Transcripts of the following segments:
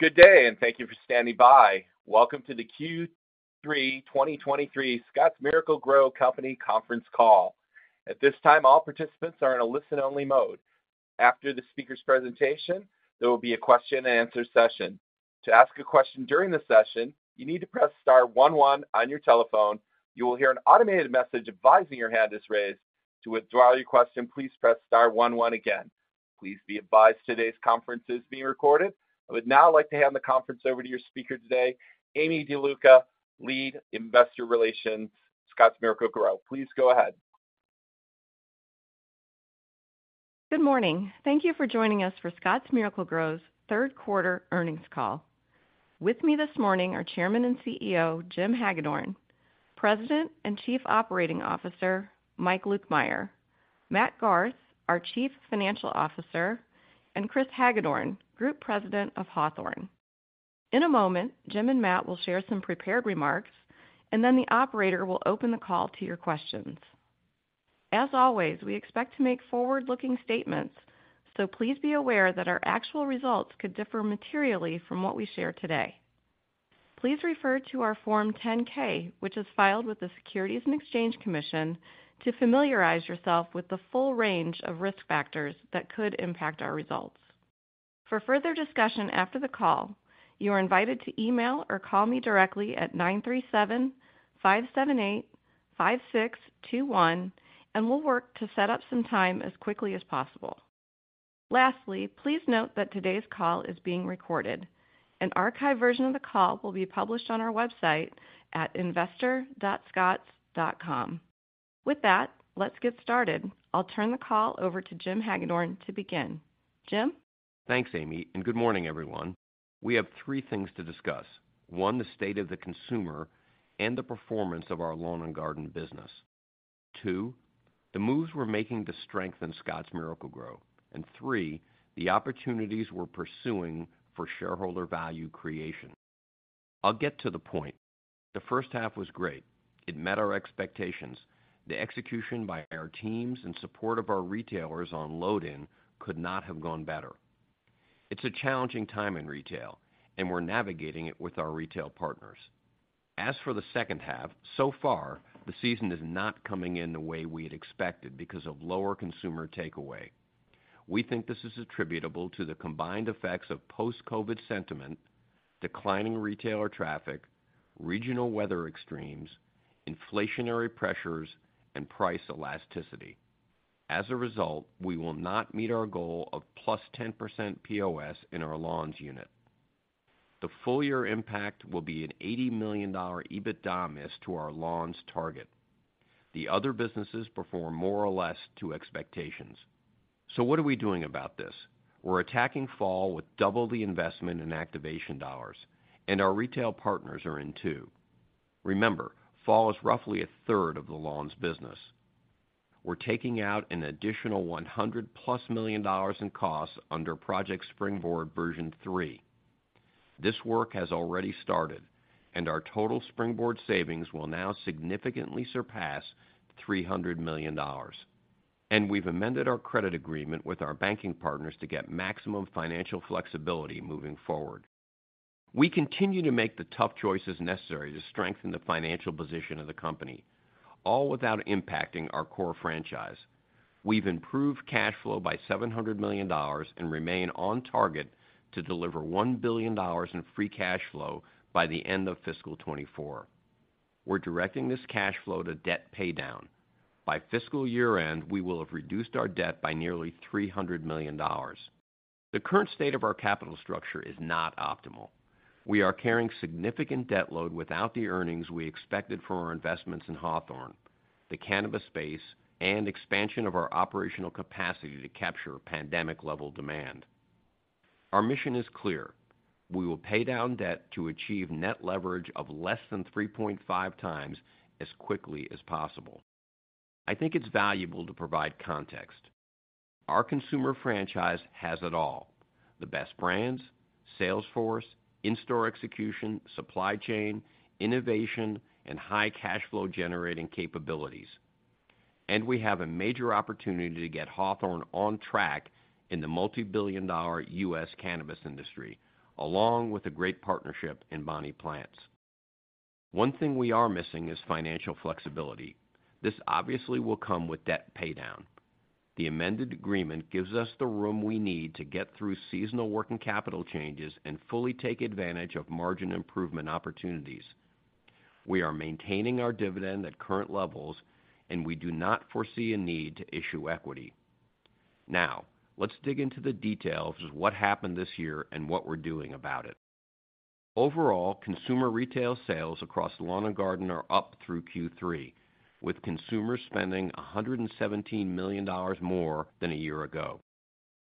Good day. Thank you for standing by. Welcome to the Q3 2023 Scotts Miracle-Gro Company conference call. At this time, all participants are in a listen-only mode. After the speaker's presentation, there will be a question-and-answer session. To ask a question during the session, you need to press star 11 on your telephone. You will hear an automated message advising your hand is raised. To withdraw your question, please press star 11 again. Please be advised today's conference is being recorded. I would now like to hand the conference over to your speaker today, Aimee DeLuca, Lead Investor Relations, Scotts Miracle-Gro. Please go ahead. Good morning. Thank you for joining us for Scotts Miracle-Gro's third quarter earnings call. With me this morning, are Chairman and CEO, Jim Hagedorn, President and Chief Operating Officer, Mike Lukemire, Matt Garth, our Chief Financial Officer, and Chris Hagedorn, Group President of Hawthorne. In a moment, Jim and Matt will share some prepared remarks, the operator will open the call to your questions. As always, we expect to make forward-looking statements, so please be aware that our actual results could differ materially from what we share today. Please refer to our Form 10-K, which is filed with the Securities and Exchange Commission, to familiarize yourself with the full range of risk factors that could impact our results. For further discussion after the call, you are invited to email or call me directly at 937-578-5621. We'll work to set up some time as quickly as possible. Lastly, please note that today's call is being recorded. An archived version of the call will be published on our website at investor.scotts.com. With that, let's get started. I'll turn the call over to Jim Hagedorn to begin. Jim? Thanks, Aimee, and good morning, everyone. We have three things to discuss. One, the state of the consumer and the performance of our lawn and garden business. Two, the moves we're making to strengthen Scotts Miracle-Gro. Three, the opportunities we're pursuing for shareholder value creation. I'll get to the point. The first half was great. It met our expectations. The execution by our teams in support of our retailers on load-in could not have gone better. It's a challenging time in retail, and we're navigating it with our retail partners. As for the second half, so far, the season is not coming in the way we had expected because of lower consumer takeaway. We think this is attributable to the combined effects of post-COVID sentiment, declining retailer traffic, regional weather extremes, inflationary pressures, and price elasticity. As a result, we will not meet our goal of +10% POS in our Lawns unit. The full year impact will be an $80 million EBITDA miss to our Lawns target. The other businesses perform more or less to expectations. What are we doing about this? We're attacking fall with double the investment in activation dollars, and our retail partners are in, too. Remember, fall is roughly a third of the Lawns business. We're taking out an additional $100+ million in costs under Project Springboard version 3. This work has already started, and our total Springboard savings will now significantly surpass $300 million, and we've amended our credit agreement with our banking partners to get maximum financial flexibility moving forward. We continue to make the tough choices necessary to strengthen the financial position of the company, all without impacting our core franchise. We've improved cash flow by $700 million and remain on target to deliver $1 billion in free cash flow by the end of fiscal 2024. We're directing this cash flow to debt paydown. By fiscal year-end, we will have reduced our debt by nearly $300 million. The current state of our capital structure is not optimal. We are carrying significant debt load without the earnings we expected from our investments in Hawthorne, the cannabis space, and expansion of our operational capacity to capture pandemic-level demand. Our mission is clear: We will pay down debt to achieve net leverage of less than 3.5x as quickly as possible. I think it's valuable to provide context. Our consumer franchise has it all: the best brands, sales force, in-store execution, supply chain, innovation, and high cash flow generating capabilities. We have a major opportunity to get Hawthorne on track in the multi-billion dollar U.S. cannabis industry, along with a great partnership in Bonnie Plants. One thing we are missing is financial flexibility. This obviously will come with debt paydown. The amended agreement gives us the room we need to get through seasonal working capital changes and fully take advantage of margin improvement opportunities. We are maintaining our dividend at current levels, and we do not foresee a need to issue equity. Now, let's dig into the details of what happened this year and what we're doing about it. Overall, consumer retail sales across Lawn and Garden are up through Q3, with consumers spending $117 million more than a year ago.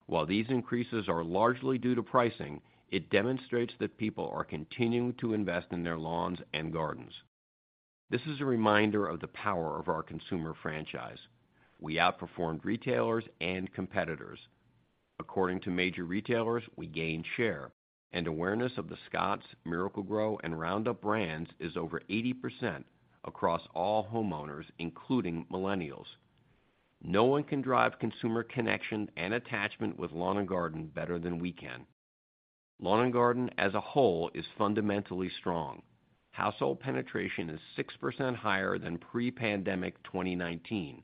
While these increases are largely due to pricing, it demonstrates that people are continuing to invest in their lawns and gardens. This is a reminder of the power of our consumer franchise. We outperformed retailers and competitors. According to major retailers, we gained share and awareness of the Scotts Miracle-Gro and Roundup brands is over 80% across all homeowners, including millennials. No one can drive consumer connection and attachment with lawn and garden better than we can. Lawn and garden as a whole is fundamentally strong. Household penetration is 6% higher than pre-pandemic 2019,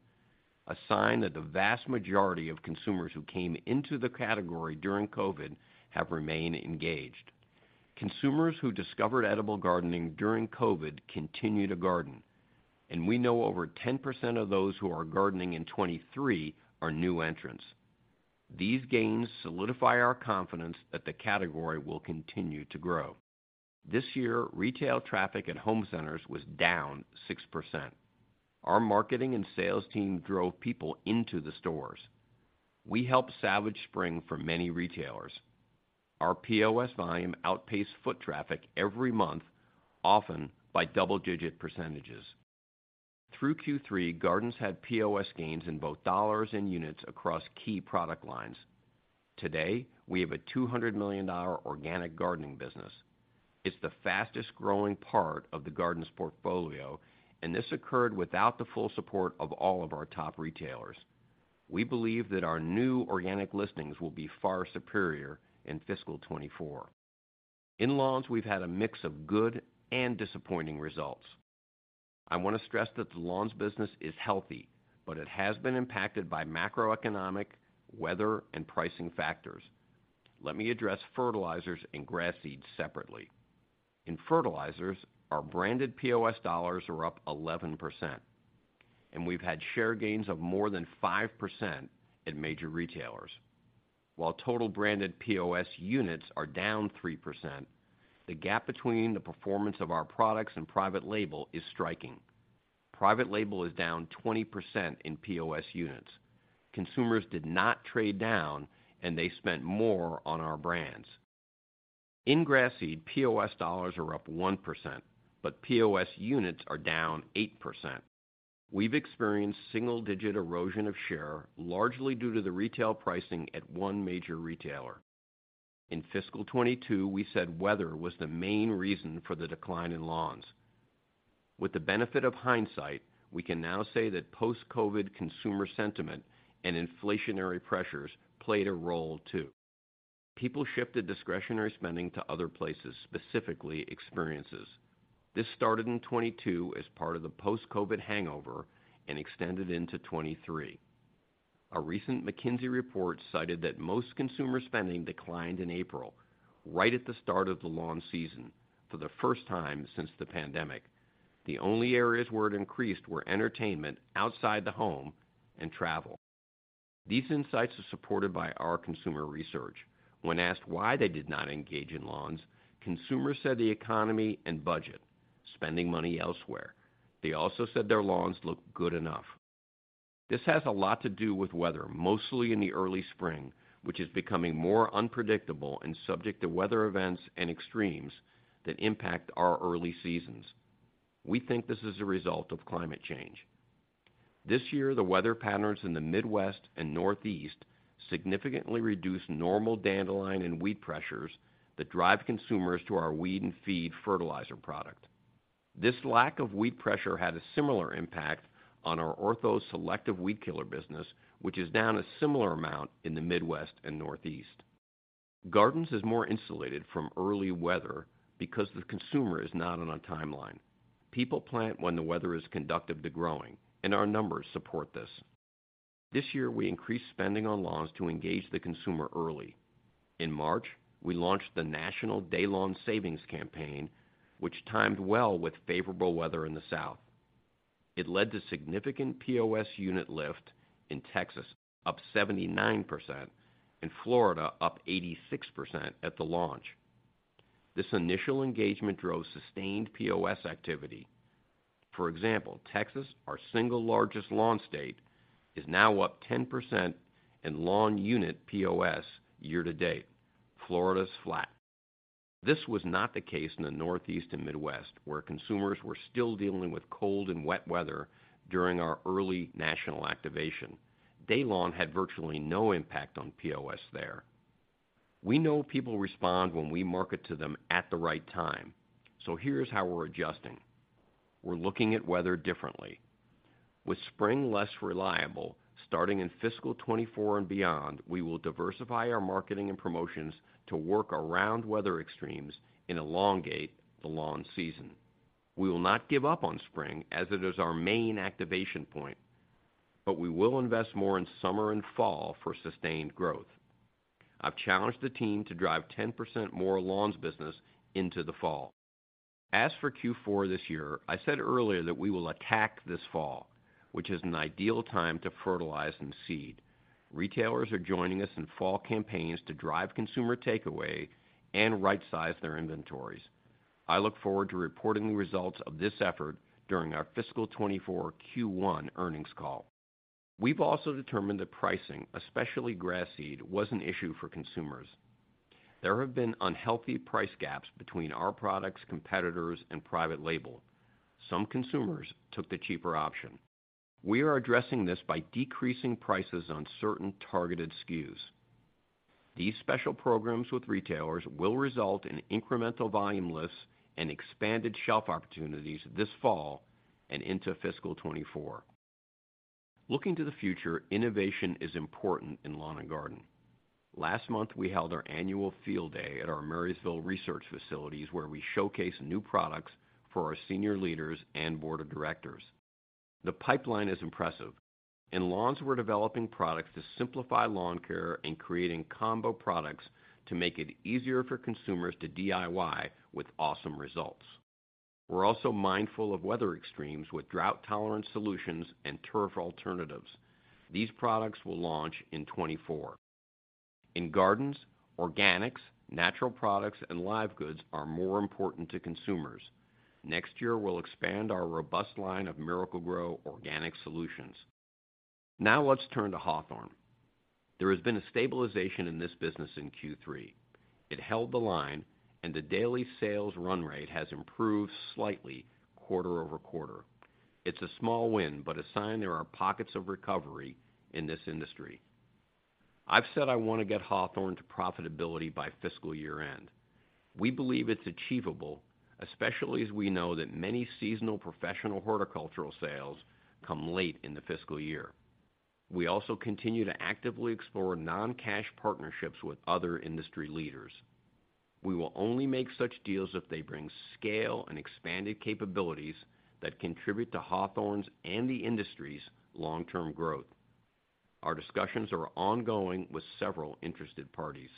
a sign that the vast majority of consumers who came into the category during COVID have remained engaged. Consumers who discovered edible gardening during COVID continue to garden, and we know over 10% of those who are gardening in 2023 are new entrants. These gains solidify our confidence that the category will continue to grow. This year, retail traffic at home centers was down 6%. Our marketing and sales team drove people into the stores. We helped savage spring for many retailers. Our POS volume outpaced foot traffic every month, often by double-digit %. Through Q3, gardens had POS gains in both dollars and units across key product lines. Today, we have a $200 million organic gardening business. It's the fastest growing part of the gardens portfolio. This occurred without the full support of all of our top retailers. We believe that our new organic listings will be far superior in fiscal 2024. In Lawns, we've had a mix of good and disappointing results. I want to stress that the Lawns business is healthy. It has been impacted by macroeconomic, weather, and pricing factors. Let me address fertilizers and grass seeds separately. In fertilizers, our branded POS dollars are up 11%, and we've had share gains of more than 5% at major retailers. While total branded POS units are down 3%, the gap between the performance of our products and private label is striking. Private label is down 20% in POS units. Consumers did not trade down, and they spent more on our brands. In grass seed, POS dollars are up 1%, but POS units are down 8%. We've experienced single-digit erosion of share, largely due to the retail pricing at one major retailer. In fiscal 22, we said weather was the main reason for the decline in Lawns. With the benefit of hindsight, we can now say that post-COVID consumer sentiment and inflationary pressures played a role, too. People shifted discretionary spending to other places, specifically experiences. This started in 2022 as part of the post-COVID hangover and extended into 2023. A recent McKinsey report cited that most consumer spending declined in April, right at the start of the lawn season, for the first time since the pandemic. The only areas where it increased were entertainment outside the home and travel. These insights are supported by our consumer research. When asked why they did not engage in lawns, consumers said the economy and budget, spending money elsewhere. They also said their lawns look good enough. This has a lot to do with weather, mostly in the early spring, which is becoming more unpredictable and subject to weather events and extremes that impact our early seasons. We think this is a result of climate change. This year, the weather patterns in the Midwest and Northeast significantly reduced normal dandelion and weed pressures that drive consumers to our Weed & Feed fertilizer product. This lack of weed pressure had a similar impact on our Ortho Selective Weed Killer business, which is down a similar amount in the Midwest and Northeast. Gardens is more insulated from early weather because the consumer is not on a timeline. People plant when the weather is conducive to growing, and our numbers support this. This year, we increased spending on Lawns to engage the consumer early. In March, we launched the National DayLawn Savings campaign, which timed well with favorable weather in the South. It led to significant POS unit lift in Texas, up 79%, in Florida, up 86% at the launch. This initial engagement drove sustained POS activity. For example, Texas, our single largest lawn state, is now up 10% in lawn unit POS year to date. Florida's flat. This was not the case in the Northeast and Midwest, where consumers were still dealing with cold and wet weather during our early national activation. Day Long had virtually no impact on POS there. We know people respond when we market to them at the right time, so here's how we're adjusting. We're looking at weather differently. With spring less reliable, starting in fiscal 2024 and beyond, we will diversify our marketing and promotions to work around weather extremes and elongate the lawn season. We will not give up on spring as it is our main activation point, but we will invest more in summer and fall for sustained growth. I've challenged the team to drive 10% more Lawns business into the fall. As for Q4 this year, I said earlier that we will attack this fall, which is an ideal time to fertilize and seed. Retailers are joining us in fall campaigns to drive consumer takeaway and right-size their inventories. I look forward to reporting the results of this effort during our fiscal 2024 Q1 earnings call. We've also determined that pricing, especially grass seed, was an issue for consumers. There have been unhealthy price gaps between our products, competitors, and private label. Some consumers took the cheaper option. We are addressing this by decreasing prices on certain targeted SKUs.... These special programs with retailers will result in incremental volume lists and expanded shelf opportunities this fall and into fiscal 2024. Looking to the future, innovation is important in lawn and garden. Last month, we held our annual field day at our Marysville research facilities, where we showcase new products for our senior leaders and board of directors. The pipeline is impressive. In Lawns, we're developing products to simplify lawn care and creating combo products to make it easier for consumers to DIY with awesome results. We're also mindful of weather extremes with drought-tolerant solutions and turf alternatives. These products will launch in 2024. In gardens, organics, natural products, and live goods are more important to consumers. Next year, we'll expand our robust line of Miracle-Gro organic solutions. Now, let's turn to Hawthorne. There has been a stabilization in this business in Q3. It held the line, and the daily sales run rate has improved slightly quarter-over-quarter. It's a small win, but a sign there are pockets of recovery in this industry. I've said I want to get Hawthorne to profitability by fiscal year-end. We believe it's achievable, especially as we know that many seasonal professional horticultural sales come late in the fiscal year. We also continue to actively explore non-cash partnerships with other industry leaders. We will only make such deals if they bring scale and expanded capabilities that contribute to Hawthorne's and the industry's long-term growth. Our discussions are ongoing with several interested parties.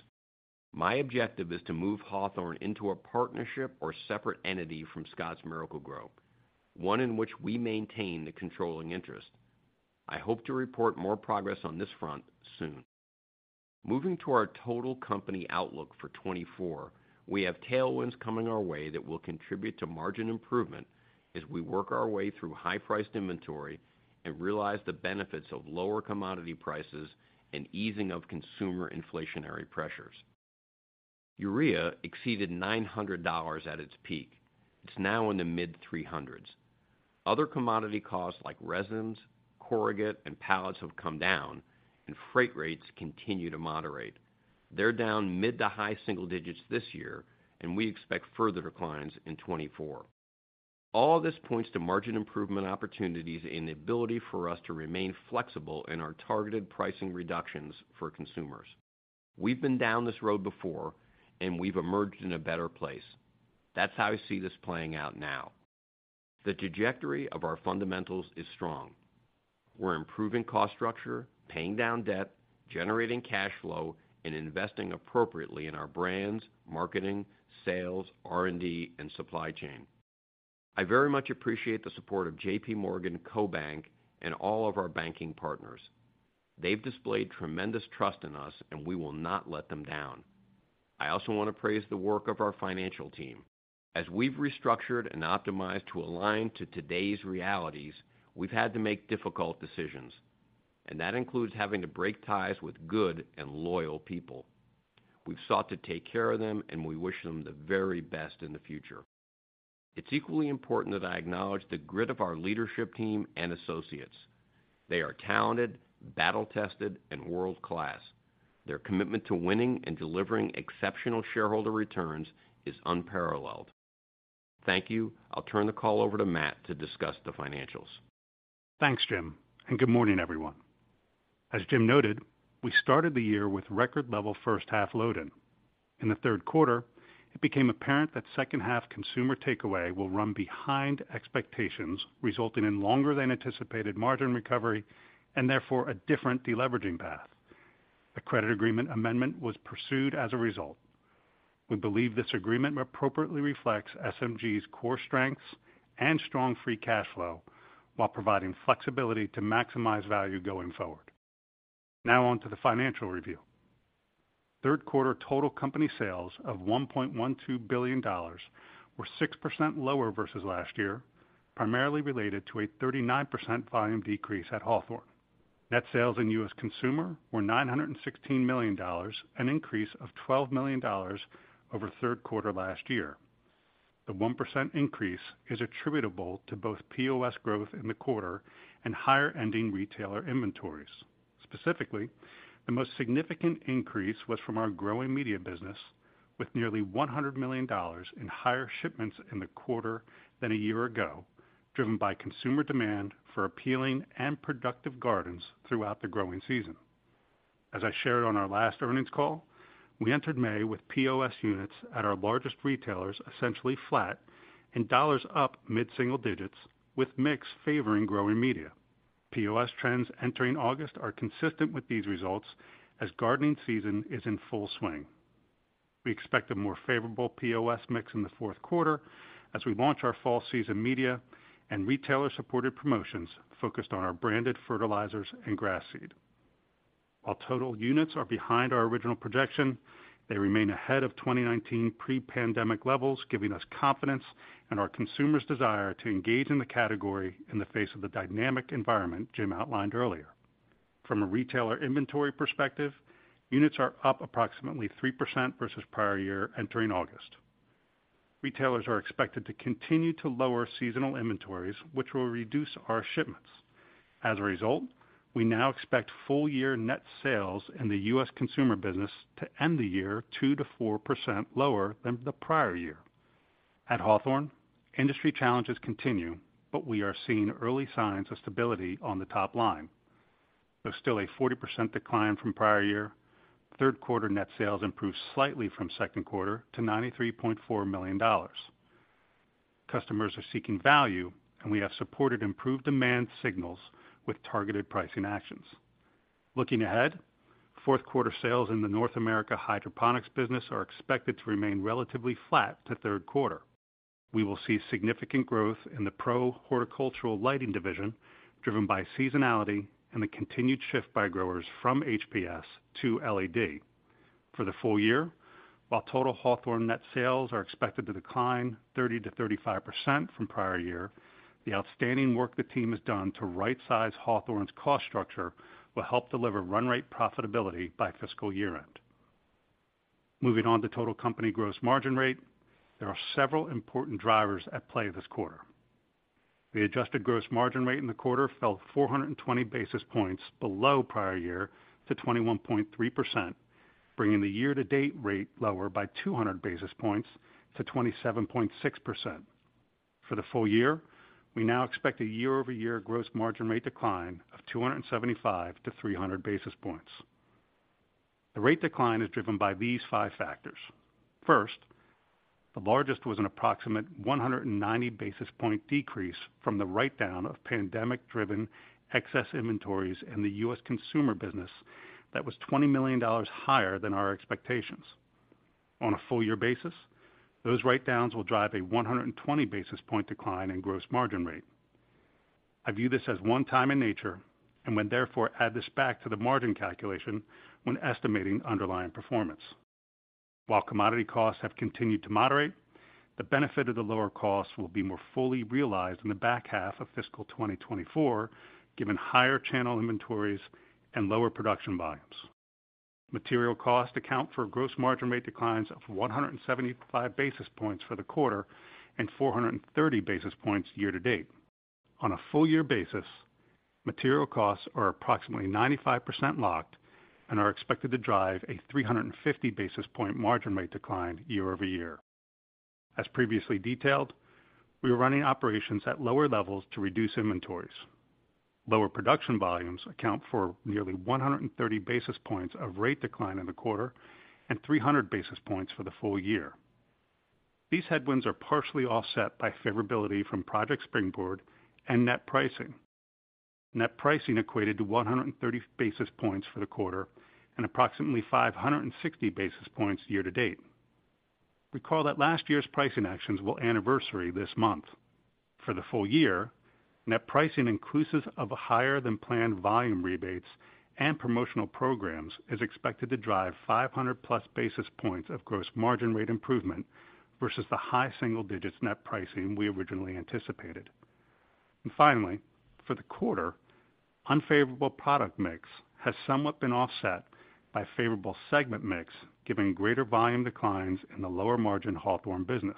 My objective is to move Hawthorne into a partnership or separate entity from Scotts Miracle-Gro, one in which we maintain the controlling interest. I hope to report more progress on this front soon. Moving to our total company outlook for 2024, we have tailwinds coming our way that will contribute to margin improvement as we work our way through high-priced inventory and realize the benefits of lower commodity prices and easing of consumer inflationary pressures. Urea exceeded $900 at its peak. It's now in the mid $300s. Other commodity costs like resins, corrugate, and pallets have come down, and freight rates continue to moderate. They're down mid-to-high single digits this year, and we expect further declines in 2024. All this points to margin improvement opportunities and the ability for us to remain flexible in our targeted pricing reductions for consumers. We've been down this road before, and we've emerged in a better place. That's how I see this playing out now. The trajectory of our fundamentals is strong. We're improving cost structure, paying down debt, generating cash flow, and investing appropriately in our brands, marketing, sales, R&D, and supply chain. I very much appreciate the support of JP Morgan, CoBank, and all of our banking partners. They've displayed tremendous trust in us, and we will not let them down. I also want to praise the work of our financial team. As we've restructured and optimized to align to today's realities, we've had to make difficult decisions. That includes having to break ties with good and loyal people. We've sought to take care of them. We wish them the very best in the future. It's equally important that I acknowledge the grit of our leadership team and associates. They are talented, battle-tested, and world-class. Their commitment to winning and delivering exceptional shareholder returns is unparalleled. Thank you. I'll turn the call over to Matt to discuss the financials. Thanks, Jim. Good morning, everyone. As Jim noted, we started the year with record level first half load-in. In the third quarter, it became apparent that second half consumer takeaway will run behind expectations, resulting in longer than anticipated margin recovery and therefore a different deleveraging path. A credit agreement amendment was pursued as a result. We believe this agreement appropriately reflects SMG's core strengths and strong free cash flow while providing flexibility to maximize value going forward. Now on to the financial review. Third quarter total company sales of $1.12 billion were 6% lower versus last year, primarily related to a 39% volume decrease at Hawthorne. Net sales in U.S. Consumer were $916 million, an increase of $12 million over third quarter last year. The 1% increase is attributable to both POS growth in the quarter and higher ending retailer inventories. Specifically, the most significant increase was from our Growing Media business, with nearly $100 million in higher shipments in the quarter than a year ago, driven by consumer demand for appealing and productive gardens throughout the growing season. As I shared on our last earnings call, we entered May with POS units at our largest retailers, essentially flat, and dollars up mid-single digits, with mix favoring growing media. POS trends entering August are consistent with these results as gardening season is in full swing. We expect a more favorable POS mix in the fourth quarter as we launch our fall season media and retailer-supported promotions focused on our branded fertilizers and grass seed. While total units are behind our original projection, they remain ahead of 2019 pre-pandemic levels, giving us confidence in our consumers' desire to engage in the category in the face of the dynamic environment Jim outlined earlier. From a retailer inventory perspective, units are up approximately 3% versus prior year entering August. Retailers are expected to continue to lower seasonal inventories, which will reduce our shipments. As a result, we now expect full year net sales in the U.S. Consumer business to end the year 2%-4% lower than the prior year. At Hawthorne, industry challenges continue, we are seeing early signs of stability on the top line. There's still a 40% decline from prior year. Third quarter net sales improved slightly from second quarter to $93.4 million. Customers are seeking value, and we have supported improved demand signals with targeted pricing actions. Looking ahead, fourth quarter sales in the North American hydroponics business are expected to remain relatively flat to third quarter. We will see significant growth in the Pro Horticultural Lighting division, driven by seasonality and the continued shift by growers from HPS to LED. For the full year, while total Hawthorne net sales are expected to decline 30%-35% from prior year, the outstanding work the team has done to rightsize Hawthorne's cost structure will help deliver run rate profitability by fiscal year-end. Moving on to total company gross margin rate, there are several important drivers at play this quarter. The adjusted gross margin rate in the quarter fell 420 basis points below prior year to 21.3%, bringing the year-to-date rate lower by 200 basis points to 27.6%. For the full year, we now expect a year-over-year gross margin rate decline of 275-300 basis points. The rate decline is driven by these five factors: First, the largest was an approximate 190 basis point decrease from the write-down of pandemic-driven excess inventories in the U.S. Consumer business that was $20 million higher than our expectations. On a full year basis, those write-downs will drive a 120 basis point decline in gross margin rate. I view this as one time in nature and would therefore add this back to the margin calculation when estimating underlying performance. While commodity costs have continued to moderate, the benefit of the lower costs will be more fully realized in the back half of fiscal 2024, given higher channel inventories and lower production volumes. Material costs account for gross margin rate declines of 175 basis points for the quarter and 430 basis points year-to-date. On a full year basis, material costs are approximately 95% locked and are expected to drive a 350 basis point margin rate decline year-over-year. As previously detailed, we are running operations at lower levels to reduce inventories. Lower production volumes account for nearly 130 basis points of rate decline in the quarter and 300 basis points for the full year. These headwinds are partially offset by favorability from Project Springboard and net pricing. Net pricing equated to 130 basis points for the quarter and approximately 560 basis points year to date. Recall that last year's pricing actions will anniversary this month. For the full year, net pricing, inclusive of a higher than planned volume rebates and promotional programs, is expected to drive 500+ basis points of gross margin rate improvement versus the high single digits net pricing we originally anticipated. Finally, for the quarter, unfavorable product mix has somewhat been offset by favorable segment mix, giving greater volume declines in the lower margin Hawthorne business.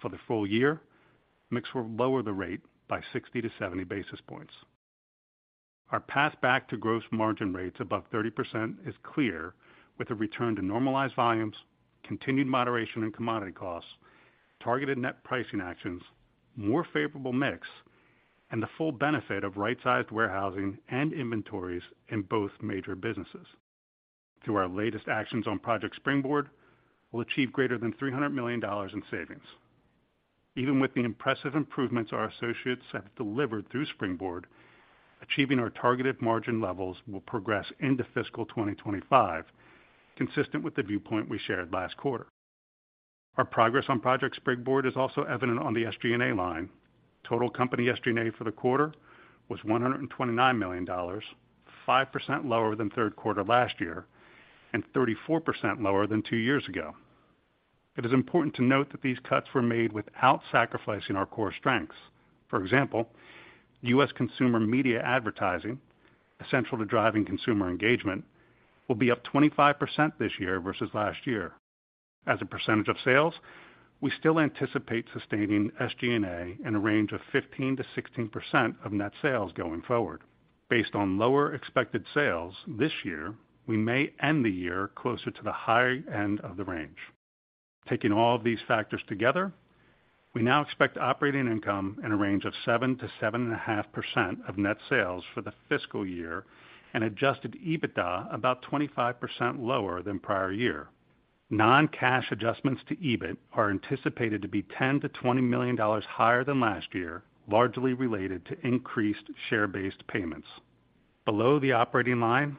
For the full year, mix will lower the rate by 60-70 basis points. Our path back to gross margin rates above 30% is clear, with a return to normalized volumes, continued moderation in commodity costs, targeted net pricing actions, more favorable mix, and the full benefit of right-sized warehousing and inventories in both major businesses. Through our latest actions on Project Springboard, we'll achieve greater than $300 million in savings. Even with the impressive improvements our associates have delivered through Springboard, achieving our targeted margin levels will progress into fiscal 2025, consistent with the viewpoint we shared last quarter. Our progress on Project Springboard is also evident on the SG&A line. Total company SG&A for the quarter was $129 million, 5% lower than third quarter last year and 34% lower than two years ago. It is important to note that these cuts were made without sacrificing our core strengths. For example, U.S. Consumer media advertising, essential to driving consumer engagement, will be up 25% this year versus last year. As a percentage of sales, we still anticipate sustaining SG&A in a range of 15%-16% of net sales going forward. Based on lower expected sales this year, we may end the year closer to the higher end of the range. Taking all of these factors together, we now expect operating income in a range of 7%-7.5% of net sales for the fiscal year and adjusted EBITDA about 25% lower than prior year. Non-cash adjustments to EBIT are anticipated to be $10 million-$20 million higher than last year, largely related to increased share-based payments. Below the operating line,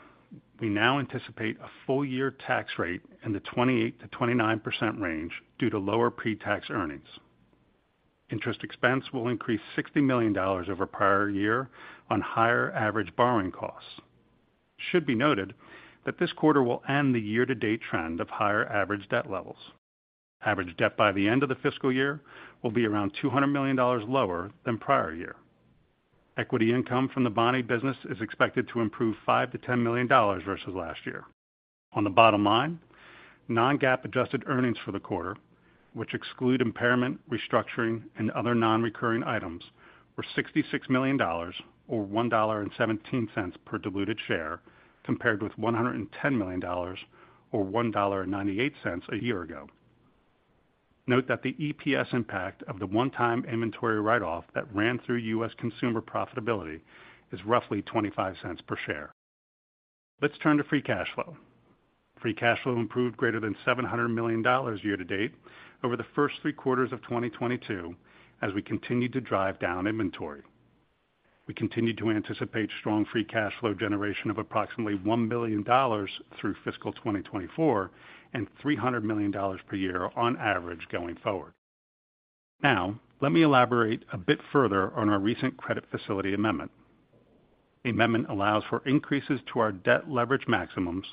we now anticipate a full year tax rate in the 28%-29% range due to lower pre-tax earnings. Interest expense will increase $60 million over prior year on higher average borrowing costs. It should be noted that this quarter will end the year-to-date trend of higher average debt levels. Average debt by the end of the fiscal year will be around $200 million lower than prior year. Equity income from the Bonnie business is expected to improve $5 million-$10 million versus last year. On the bottom line, non-GAAP adjusted earnings for the quarter, which exclude impairment, restructuring, and other non-recurring items, were $66 million, or $1.17 per diluted share, compared with $110 million, or $1.98 a year ago. Note that the EPS impact of the one-time inventory write-off that ran through U.S. Consumer profitability is roughly $0.25 per share. Let's turn to free cash flow. Free cash flow improved greater than $700 million year to date over the first three quarters of 2022, as we continued to drive down inventory. We continue to anticipate strong free cash flow generation of approximately $1 billion through fiscal 2024, and $300 million per year on average going forward. Let me elaborate a bit further on our recent credit facility amendment. The amendment allows for increases to our debt leverage maximums,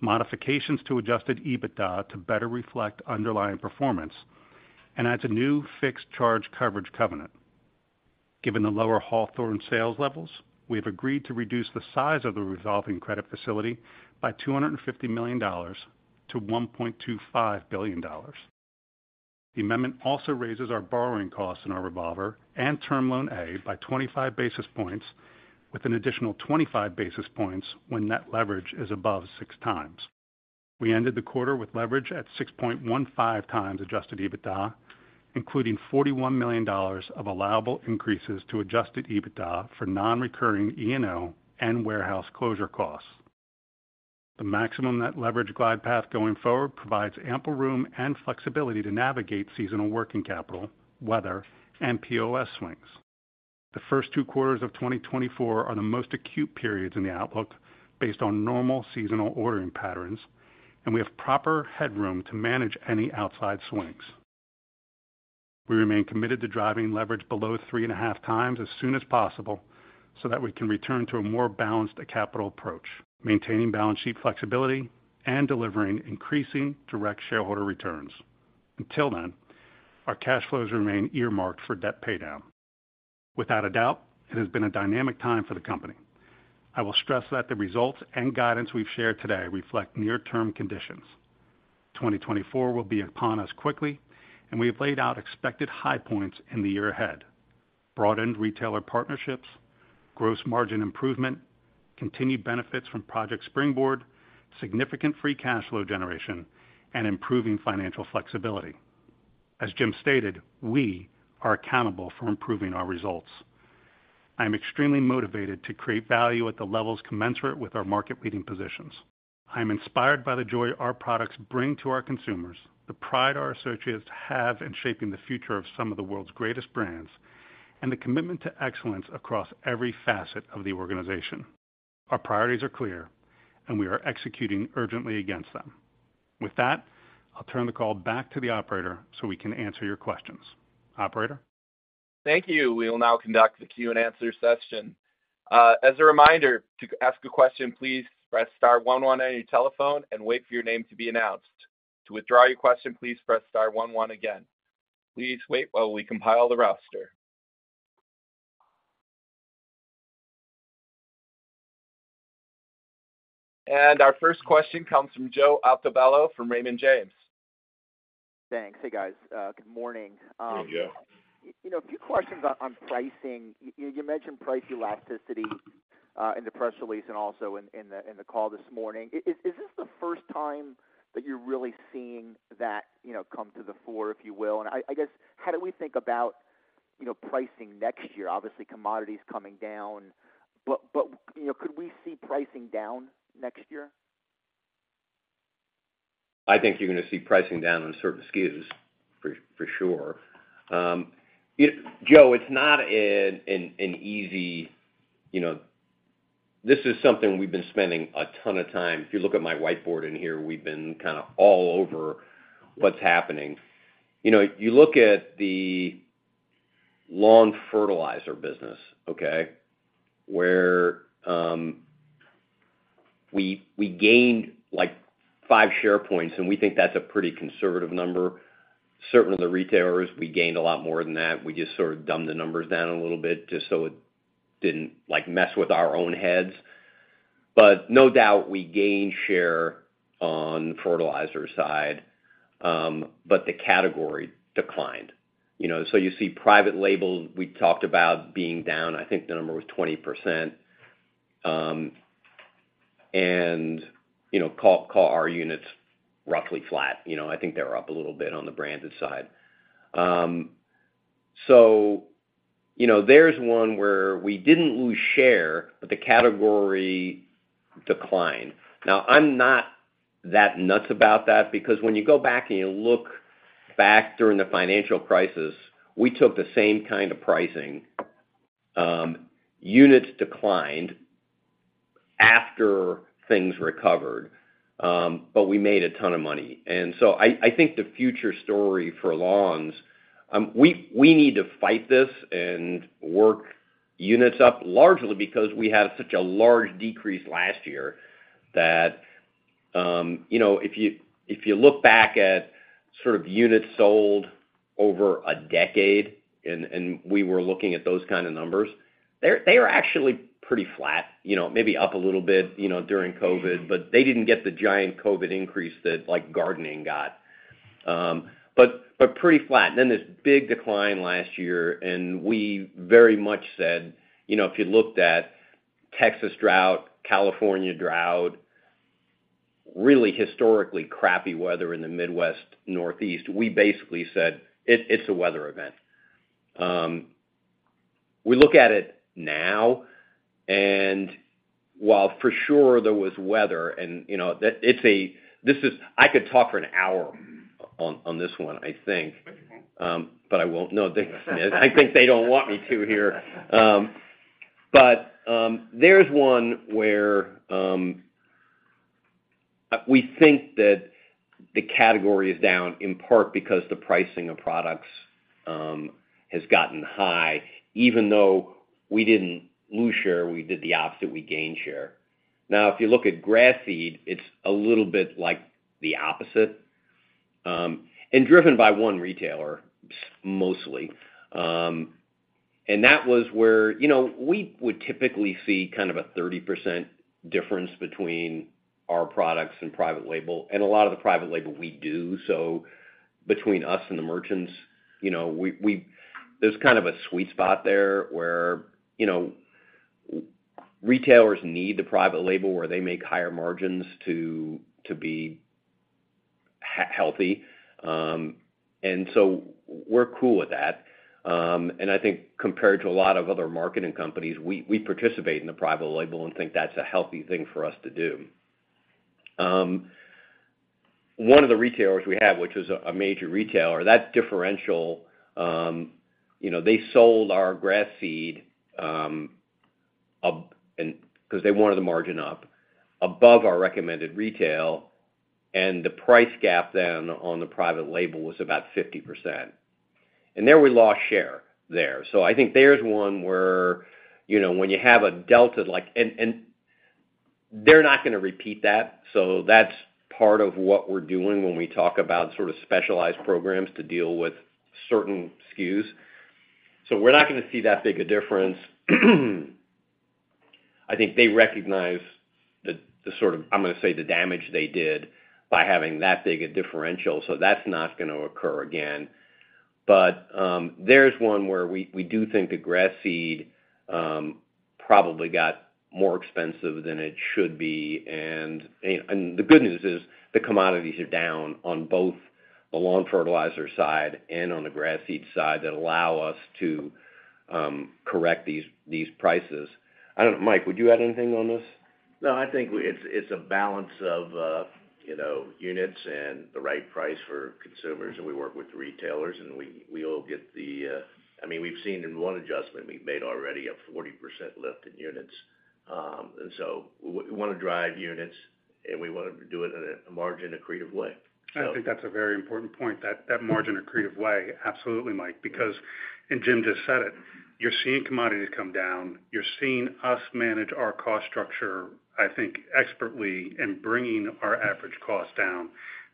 modifications to adjusted EBITDA to better reflect underlying performance, and adds a new fixed charge coverage covenant. Given the lower Hawthorne sales levels, we have agreed to reduce the size of the resolving credit facility by $250 million to $1.25 billion. The amendment also raises our borrowing costs in our revolver and Term Loan A by 25 basis points, with an additional 25 basis points when net leverage is above 6 times. We ended the quarter with leverage at 6.15 times adjusted EBITDA, including $41 million of allowable increases to adjusted EBITDA for non-recurring E&O and warehouse closure costs. The maximum net leverage glide path going forward provides ample room and flexibility to navigate seasonal working capital, weather, and POS swings. The first two quarters of 2024 are the most acute periods in the outlook based on normal seasonal ordering patterns, and we have proper headroom to manage any outside swings. We remain committed to driving leverage below 3.5x as soon as possible so that we can return to a more balanced capital approach, maintaining balance sheet flexibility and delivering increasing direct shareholder returns. Until then, our cash flows remain earmarked for debt paydown. Without a doubt, it has been a dynamic time for the company. I will stress that the results and guidance we've shared today reflect near-term conditions. 2024 will be upon us quickly, and we have laid out expected high points in the year ahead: broadened retailer partnerships, gross margin improvement, continued benefits from Project Springboard, significant free cash flow generation, and improving financial flexibility. As Jim stated, we are accountable for improving our results. I am extremely motivated to create value at the levels commensurate with our market-leading positions. I am inspired by the joy our products bring to our consumers, the pride our associates have in shaping the future of some of the world's greatest brands, and the commitment to excellence across every facet of the organization. Our priorities are clear, and we are executing urgently against them. With that, I'll turn the call back to the operator so we can answer your questions. Operator? Thank you. We will now conduct the Q&A session. As a reminder, to ask a question, please press star 11 on your telephone and wait for your name to be announced. To withdraw your question, please press star 11 again. Please wait while we compile the roster. Our first question comes from Joseph Altobello from Raymond James. Thanks. Hey, guys, good morning. Hey, Joe. You know, a few questions on, on pricing. You mentioned price elasticity in the press release and also in, in the, in the call this morning. Is this the first time that you're really seeing that, you know, come to the fore, if you will? How do we think about, you know, pricing next year? Obviously, commodities coming down, could we see pricing down next year? I think you're gonna see pricing down on certain SKUs, for, for sure. Joe, it's not an easy... You know, this is something we've been spending a ton of time. If you look at my whiteboard in here, we've been kind of all over what's happening. You know, you look at the lawn fertilizer business, okay? Where, we gained, like, five share points, and we think that's a pretty conservative number. Certain of the retailers, we gained a lot more than that. We just sort of dumbed the numbers down a little bit, just so it didn't, like, mess with our own heads. No doubt, we gained share on the fertilizer side, but the category declined. You know, so you see private label, we talked about being down, I think the number was 20%. You know, call, call our units roughly flat. You know, I think they're up a little bit on the branded side. You know, there's one where we didn't lose share, but the category declined. Now, I'm not that nuts about that, because when you go back and you look back during the financial crisis, we took the same kind of pricing. Units declined after things recovered, but we made a ton of money. So I, I think the future story for Lawns, we, we need to fight this and work units up, largely because we had such a large decrease last year, that... you know, if you, if you look back at sort of units sold over a decade, and, and we were looking at those kind of numbers, they are actually pretty flat, you know, maybe up a little bit, you know, during COVID, but they didn't get the giant COVID increase that, like, gardening got. Pretty flat. This big decline last year, and we very much said, you know, if you looked at Texas drought, California drought, really historically crappy weather in the Midwest, Northeast, we basically said, "It's a weather event." We look at it now, and while for sure there was weather and, you know, that this is, I could talk for an hour on this one, I think. I won't. No, I think they don't want me to here. There's one where, we think that the category is down, in part because the pricing of products, has gotten high, even though we didn't lose share, we did the opposite, we gained share. Now, if you look at grass seed, it's a little bit like the opposite, and driven by one retailer, mostly. That was where, you know, we would typically see kind of a 30% difference between our products and private label, and a lot of the private label we do. Between us and the merchants, you know, we, we- There's kind of a sweet spot there, where, you know, retailers need the private label, where they make higher margins to, to be he- healthy. We're cool with that. I think compared to a lot of other marketing companies, we, we participate in the private label and think that's a healthy thing for us to do. One of the retailers we have, which is a, a major retailer, that differential, you know, they sold our grass seed, up, and because they wanted the margin up, above our recommended retail, and the price gap then on the private label was about 50%. There we lost share there. I think there's one where, you know, when you have a delta like. They're not gonna repeat that, so that's part of what we're doing when we talk about sort of specialized programs to deal with certain SKUs. We're not gonna see that big a difference.I think they recognize the, the sort of, I'm gonna say, the damage they did by having that big a differential, so that's not gonna occur again. There's one where we, we do think the grass seed, probably got more expensive than it should be. The good news is, the commodities are down on both the lawn fertilizer side and on the grass seed side, that allow us to, correct these, these prices. I don't know, Mike, would you add anything on this? No, I think we, it's, it's a balance of, you know, units and the right price for consumers, and we work with the retailers, and we, we all get the. I mean, we've seen in one adjustment, we've made already a 40% lift in units. And so we, we wanna drive units, and we wanna do it in a margin-accretive way. I think that's a very important point, that, that margin-accretive way. Absolutely, Mike, because, and Jim just said it, you're seeing commodities come down. You're seeing us manage our cost structure, I think, expertly in bringing our average cost down.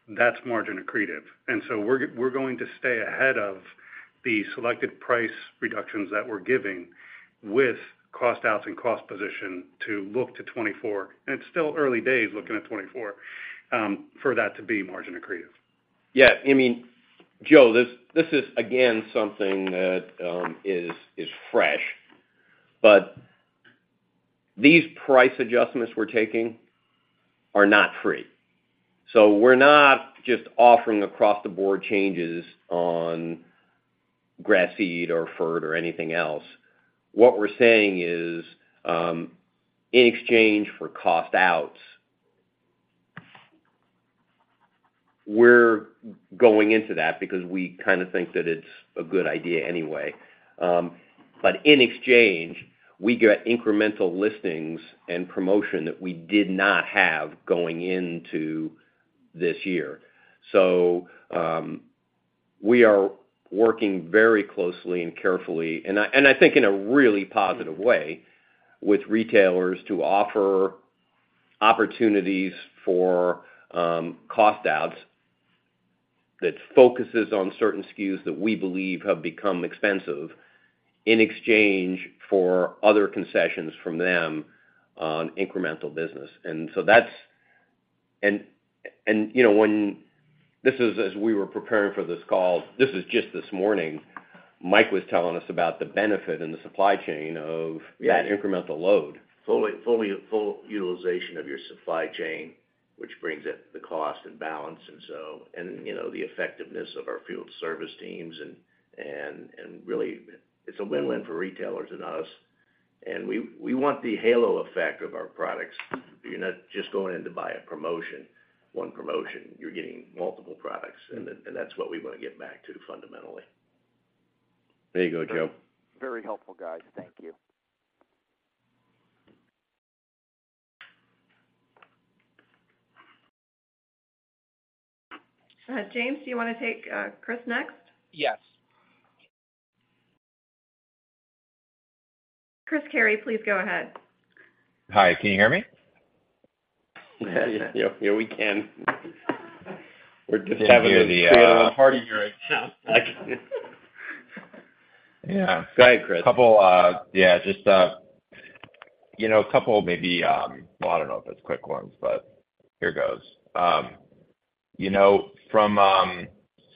That's margin accretive. So we're, we're going to stay ahead of the selected price reductions that we're giving, with cost outs and cost position to look to 2024. It's still early days, looking at 2024, for that to be margin accretive. Yeah, I mean, Joe, this, this is again, something that is, is fresh, but these price adjustments we're taking are not free. We're not just offering across-the-board changes on grass seed or fert or anything else. What we're saying is, in exchange for cost outs, we're going into that because we kind of think that it's a good idea anyway. In exchange, we get incremental listings and promotion that we did not have going into this year. We are working very closely and carefully, and I, and I think in a really positive way, with retailers to offer opportunities for cost outs, that focuses on certain SKUs that we believe have become expensive, in exchange for other concessions from them on incremental business. That's... You know, this is, as we were preparing for this call, this is just this morning, Mike was telling us about the benefit in the supply chain of... Yeah that incremental load. Fully, fully, full utilization of your supply chain, which brings it, the cost and balance and so, and, you know, the effectiveness of our field service teams and, and, and really, it's a win-win for retailers and us. We, we want the halo effect of our products. You're not just going in to buy a promotion, 1 promotion, you're getting multiple products, and that, and that's what we wanna get back to, fundamentally. There you go, Joe. Very helpful, guys. Thank you. James, do you wanna take, Chris next? Yes. Christopher Carey, please go ahead. Hi, can you hear me? Yeah, yeah, we can. We had a little party here right now. Yeah. Go ahead, Chris. Couple. Yeah, just, you know, a couple maybe, well, I don't know if it's quick ones, but here goes. You know, from,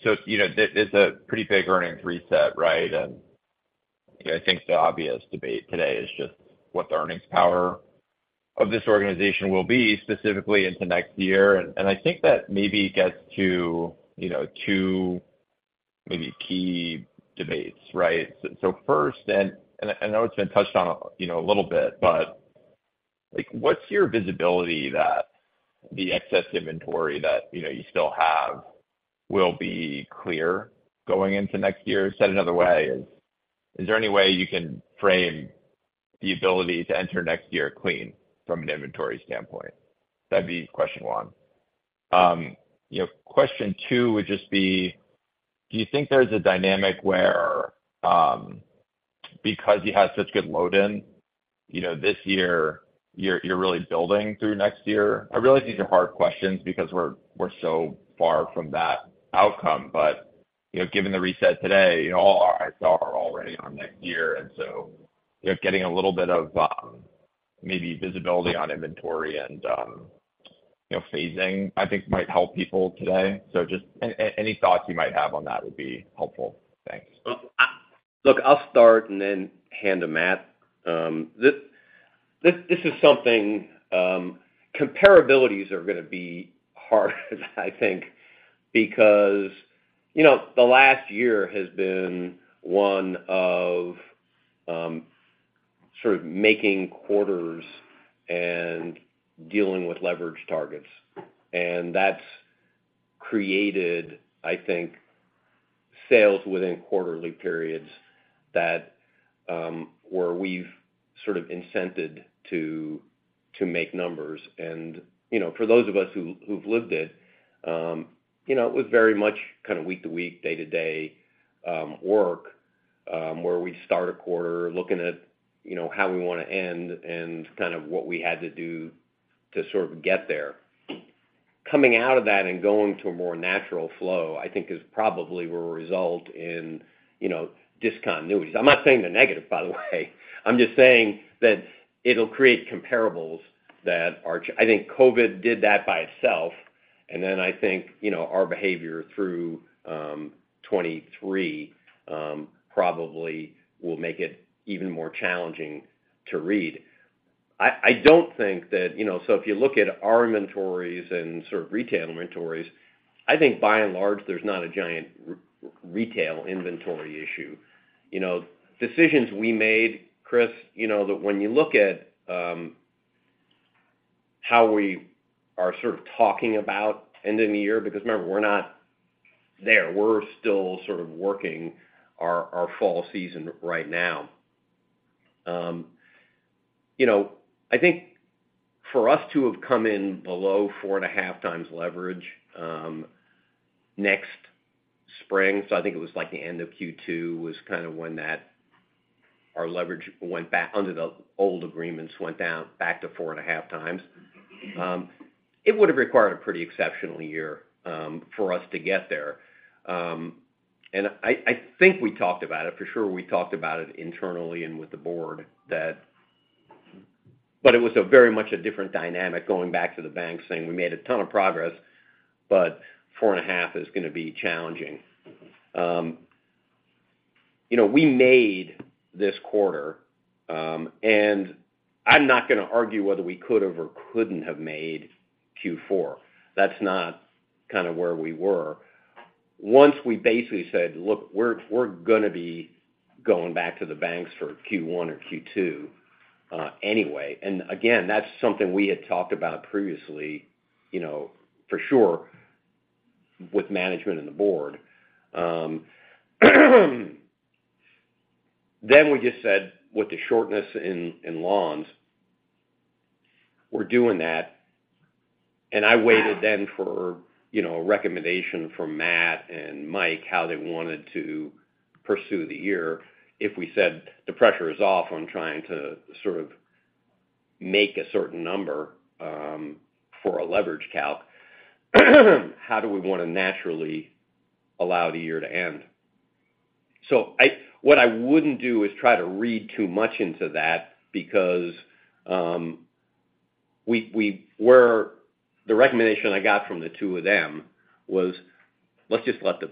so, you know, this, it's a pretty big earnings reset, right? You know, I think the obvious debate today is just what the earnings power of this organization will be, specifically into next year. I think that maybe it gets to, you know, 2 maybe key debates, right? First, and I know it's been touched on, you know, a little bit, but, like, what's your visibility that the excess inventory that, you know, you still have, will be clear going into next year? Said another way, is, is there any way you can frame the ability to enter next year clean from an inventory standpoint? That'd be question 1.you know, question two would just be: do you think there's a dynamic where, because you had such good load in, you know, this year, you're, you're really building through next year? I realize these are hard questions because we're, we're so far from that outcome, you know, given the reset today, all our eyes are already on next year, you know, getting a little bit of, maybe visibility on inventory and, you know, phasing, I think, might help people today. Just any thoughts you might have on that would be helpful. Thanks. Look, I'll start and then hand to Matt. This is something, comparabilities are going to be hard, I think, because, you know, the last year has been one of sort of making quarters and dealing with leverage targets. That's created, I think, sales within quarterly periods that where we've sort of incented to make numbers. You know, for those of us who've lived it, you know, it was very much kind of week to week, day to day work where we'd start a quarter looking at, you know, how we want to end and kind of what we had to do to sort of get there. Coming out of that and going to a more natural flow, I think, is probably will result in, you know, discontinuities. I'm not saying they're negative, by the way. I'm just saying that it'll create comparables that are. I think COVID did that by itself. I think, you know, our behavior through 2023 probably will make it even more challenging to read. I, I don't think that. You know, if you look at our inventories and sort of retail inventories, I think by and large, there's not a giant retail inventory issue. You know, decisions we made, Chris, you know, that when you look at how we are sort of talking about end of the year, because remember, we're not there. We're still sort of working our, our fall season right now. you know, I think for us to have come in below 4.5 times leverage, next spring, so I think it was, like, the end of Q2, was kind of when that our leverage went back under the old agreements, went down back to 4.5 times. It would have required a pretty exceptional year, for us to get there. I, I think we talked about it. For sure, we talked about it internally and with the board. It was a very much a different dynamic going back to the bank saying, "We made a ton of progress, but 4.5 is going to be challenging." you know, we made this quarter, and I'm not going to argue whether we could have or couldn't have made Q4. That's not kind of where we were. Once we basically said: Look, we're, we're going to be going back to the banks for Q1 or Q2, anyway, and again, that's something we had talked about previously, you know, for sure with management and the board. Then we just said, with the shortness in, in Lawns, we're doing that. I waited then for, you know, a recommendation from Matt and Mike, how they wanted to pursue the year. If we said the pressure is off on trying to sort of make a certain number, for a leverage count, how do we want to naturally allow the year to end? What I wouldn't do is try to read too much into that because, we were-- the recommendation I got from the two of them was, "Let's just let the,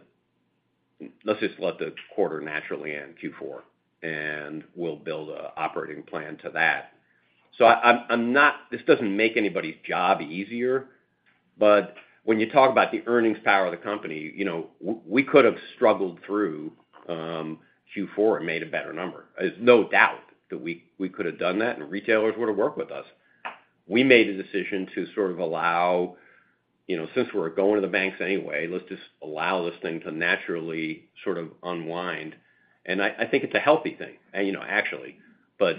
let's just let the quarter naturally end, Q4, and we'll build an operating plan to that." I'm not-- this doesn't make anybody's job easier, but when you talk about the earnings power of the company, you know, we could have struggled through Q4 and made a better number. There's no doubt that we, we could have done that, and retailers were to work with us. We made a decision to sort of allow, you know, since we're going to the banks anyway, let's just allow this thing to naturally sort of unwind. I, I think it's a healthy thing, and, you know, actually, but,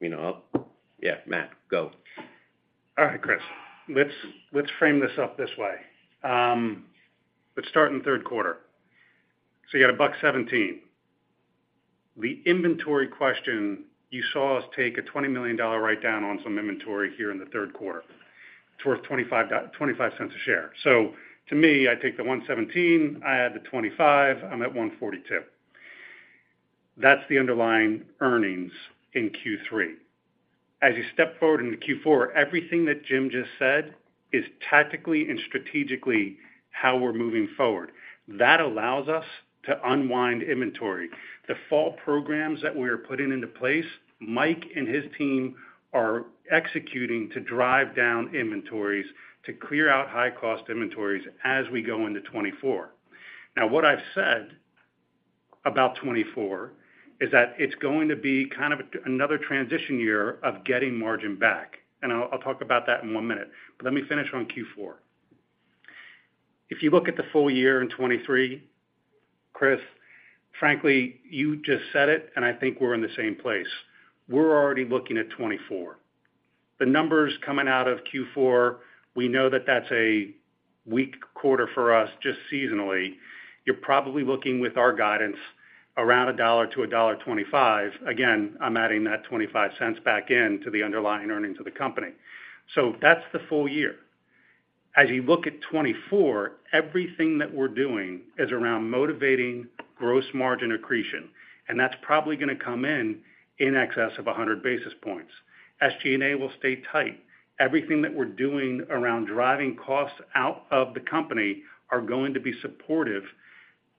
you know... Yeah, Matt, go. All right, Chris. Let's, let's frame this up this way. Let's start in the 3rd quarter. You got $1.17. The inventory question, you saw us take a $20 million write down on some inventory here in the 3rd quarter. It's worth $0.25 a share. To me, I take the $1.17, I add the $0.25, I'm at $1.42. That's the underlying earnings in Q3. As you step forward into Q4, everything that Jim just said is tactically and strategically how we're moving forward. That allows us to unwind inventory. The fall programs that we are putting into place, Mike and his team are executing to drive down inventories, to clear out high cost inventories as we go into 2024. What I've said about 2024 is that it's going to be kind of another transition year of getting margin back, and I'll, I'll talk about that in one minute. Let me finish on Q4. If you look at the full year in 2023, Chris, frankly, you just said it, and I think we're in the same place. We're already looking at 2024. The numbers coming out of Q4, we know that that's a weak quarter for us, just seasonally. You're probably looking with our guidance around $1-$1.25. Again, I'm adding that $0.25 back in to the underlying earnings of the company. That's the full year. As you look at 2024, everything that we're doing is around motivating gross margin accretion, and that's probably gonna come in in excess of 100 basis points. SG&A will stay tight. Everything that we're doing around driving costs out of the company are going to be supportive,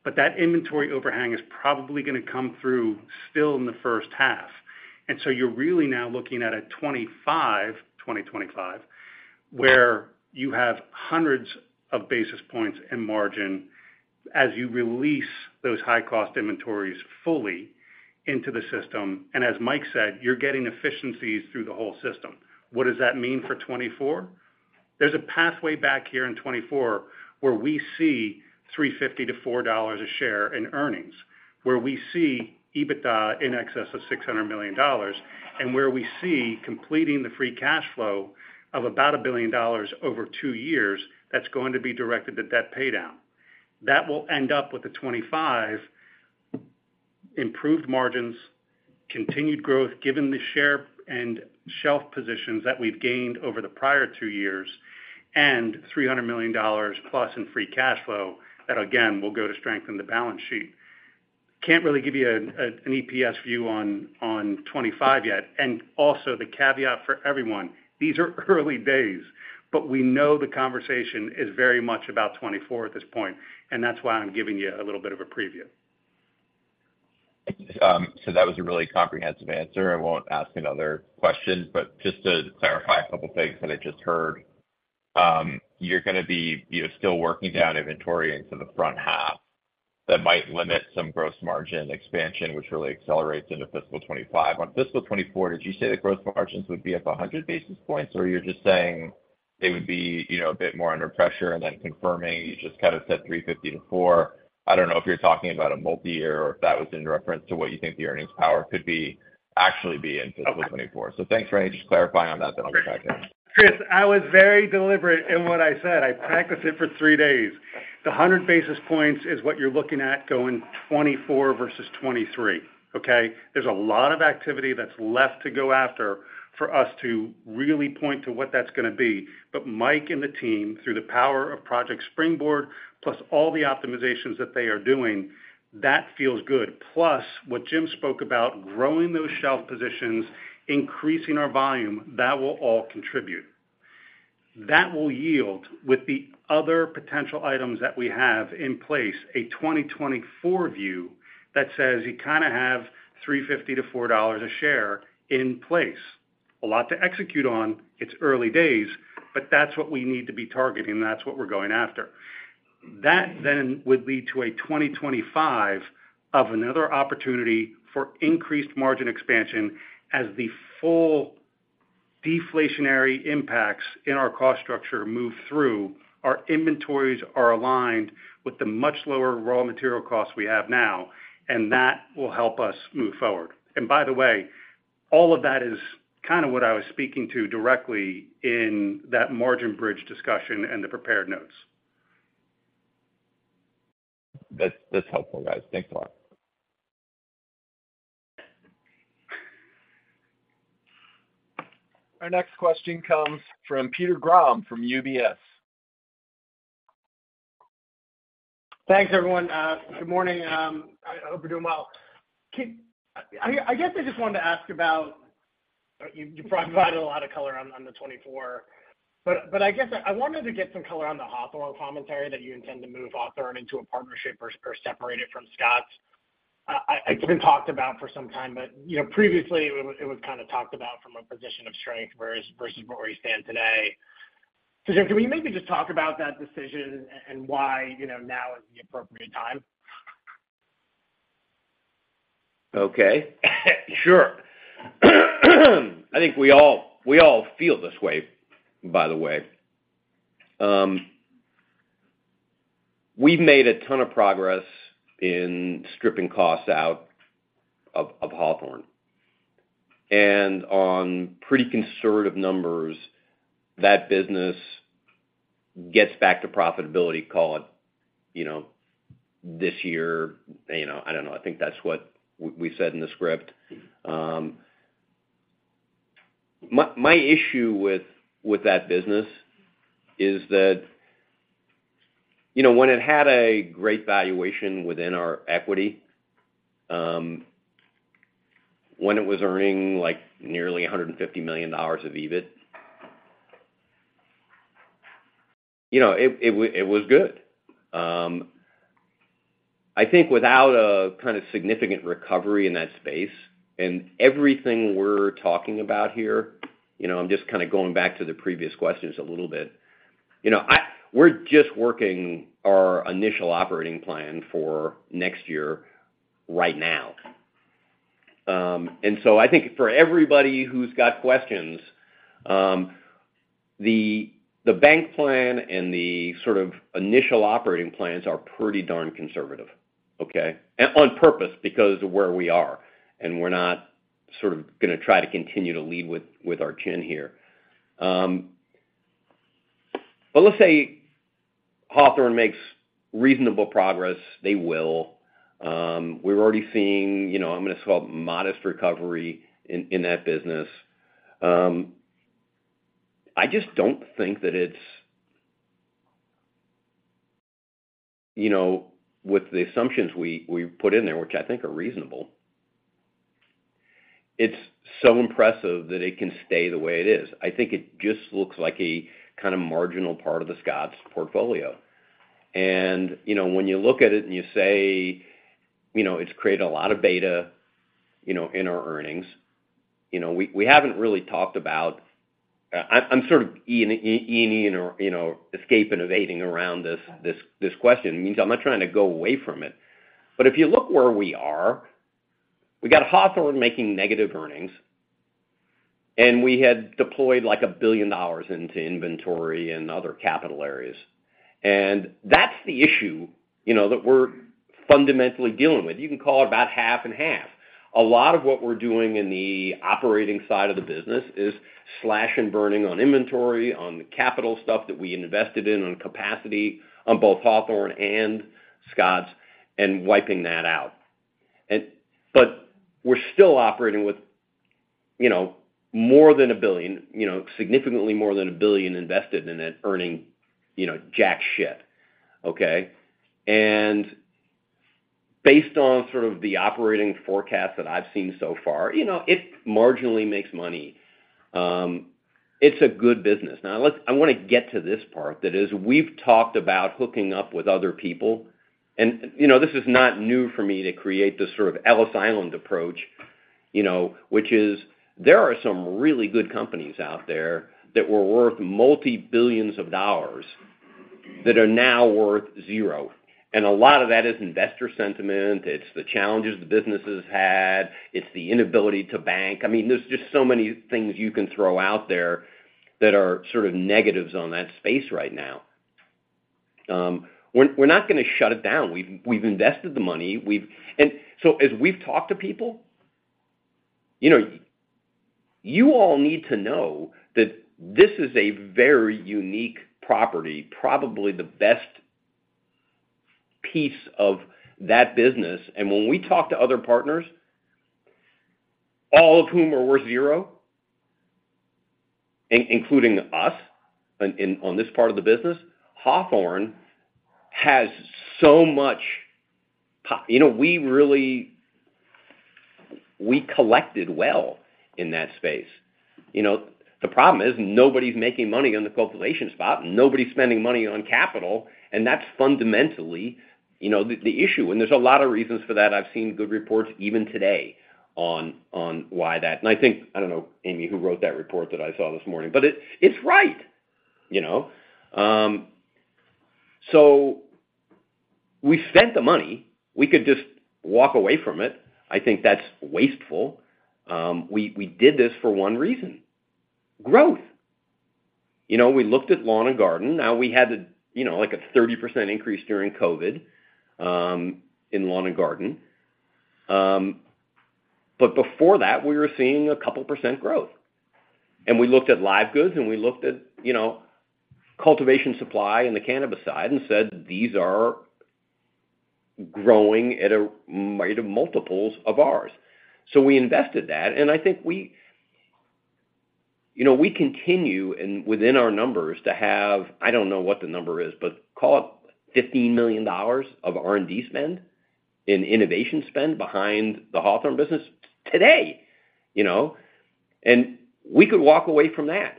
but that inventory overhang is probably gonna come through still in the first half. So you're really now looking at a 25, 2025, where you have hundreds of basis points in margin as you release those high-cost inventories fully into the system. As Mike said, you're getting efficiencies through the whole system. What does that mean for 2024? There's a pathway back here in 2024, where we see $3.50-$4 a share in earnings, where we see EBITDA in excess of $600 million, and where we see completing the free cash flow of about $1 billion over two years, that's gonna be directed to debt paydown. That will end up with the 2025, improved margins, continued growth, given the share and shelf positions that we've gained over the prior 2 years, and $300 million plus in free cash flow. That, again, will go to strengthen the balance sheet. Can't really give you an EPS view on 2025 yet. Also the caveat for everyone, these are early days. We know the conversation is very much about 2024 at this point. That's why I'm giving you a little bit of a preview. That was a really comprehensive answer. I won't ask another question, just to clarify a couple of things that I just heard. You're gonna be, you know, still working down inventory into the front half. That might limit some gross margin expansion, which really accelerates into fiscal 2025. On fiscal 2024, did you say the gross margins would be up 100 basis points, or you're just saying they would be, you know, a bit more under pressure confirming, you just kind of said 350-400? I don't know if you're talking about a multi-year or if that was in reference to what you think the earnings power could actually be in fiscal 2024. Thanks, Randy, just clarifying on that, I'll get back in. Chris, I was very deliberate in what I said. I practiced it for three days. The 100 basis points is what you're looking at going 2024 versus 2023, okay? There's a lot of activity that's left to go after for us to really point to what that's gonna be. Mike and the team, through the power of Project Springboard, plus all the optimizations that they are doing, that feels good. Plus, what Jim spoke about, growing those shelf positions, increasing our volume, that will all contribute. That will yield with the other potential items that we have in place, a 2024 view that says you kinda have $3.50-$4 a share in place. A lot to execute on, it's early days, but that's what we need to be targeting, and that's what we're going after. That then would lead to a 2025 of another opportunity for increased margin expansion as the full deflationary impacts in our cost structure move through, our inventories are aligned with the much lower raw material costs we have now, and that will help us move forward. By the way, all of that is kind of what I was speaking to directly in that margin bridge discussion and the prepared notes. That's, that's helpful, guys. Thanks a lot. Our next question comes from Peter Grom, from UBS. Thanks, everyone. Good morning. I hope you're doing well. I guess I just wanted to ask about... You provided a lot of color on the 2024, but I guess I wanted to get some color on the Hawthorne commentary that you intend to move Hawthorne into a partnership or separate it from Scotts. It's been talked about for some time, but, you know, previously it was kind of talked about from a position of strength versus where we stand today. Jim, can we maybe just talk about that decision and why, you know, now is the appropriate time? Okay. Sure. I think we all, we all feel this way, by the way. We've made a ton of progress in stripping costs out of, of Hawthorne. On pretty conservative numbers, that business gets back to profitability, call it, you know, this year. You know, I don't know. I think that's what we said in the script. My, my issue with, with that business is that, you know, when it had a great valuation within our equity, when it was earning, like, nearly $150 million of EBIT, you know, it, it was good. I think without a kind of significant recovery in that space, and everything we're talking about here, you know, I'm just kind of going back to the previous questions a little bit. You know, we're just working our initial operating plan for next year right now. I think for everybody who's got questions, the, the bank plan and the sort of initial operating plans are pretty darn conservative, okay? On purpose, because of where we are, and we're not sort of gonna try to continue to lead with, with our chin here. Let's say Hawthorne makes reasonable progress. They will. We're already seeing, you know, I'm gonna call it modest recovery in, in that business. I just don't think that it's... You know, with the assumptions we, we put in there, which I think are reasonable, it's so impressive that it can stay the way it is. I think it just looks like a kind of marginal part of the Scotts portfolio. You know, when you look at it and you say, you know, it's created a lot of beta, you know, in our earnings, you know, we, we haven't really talked about... I'm sort of, you know, escape and evading around this, this, this question. It means I'm not trying to go away from it. If you look where we are, we got Hawthorne making negative earnings, and we had deployed, like, $1 billion into inventory and other capital areas. That's the issue, you know, that we're fundamentally dealing with. You can call it about 50/50. A lot of what we're doing in the operating side of the business is slash and burning on inventory, on the capital stuff that we invested in, on capacity, on both Hawthorne and Scotts, and wiping that out. We're still operating with, you know, more than $1 billion, you know, significantly more than $1 billion invested in it, earning, you know, jack shift, okay? It's a good business. Now, I want to get to this part, that is, we've talked about hooking up with other people, and, you know, this is not new for me to create this sort of Ellis Island approach, you know, which is there are some really good companies out there that were worth multi-billions of dollars, that are now worth 0. A lot of that is investor sentiment, it's the challenges the business has had, it's the inability to bank. I mean, there's just so many things you can throw out there that are sort of negatives on that space right now. We're, we're not gonna shut it down. We've invested the money. As we've talked to people, you know, you all need to know that this is a very unique property, probably the best piece of that business. When we talk to other partners, all of whom are worth zero, including us, on this part of the business, Hawthorne has so much, you know, we really. We collected well in that space. You know, the problem is, nobody's making money on the cultivation spot, and nobody's spending money on capital, and that's fundamentally, you know, the issue. There's a lot of reasons for that. I've seen good reports even today on why that. I think, I don't know, Amy, who wrote that report that I saw this morning, but it's right, you know? We spent the money. We could just walk away from it. I think that's wasteful. We did this for one reason: growth. You know, we looked at lawn and garden. We had a, you know, like, a 30% increase during COVID, in lawn and garden. But before that, we were seeing a couple percent growth. We looked at live goods, and we looked at, you know, cultivation supply in the cannabis side and said, "These are growing at a rate of multiples of ours." We invested that, and I think we, you know, we continue, and within our numbers, to have, I don't know what the number is, but call it $15 million of R&D spend, in innovation spend behind the Hawthorne business today, you know, and we could walk away from that.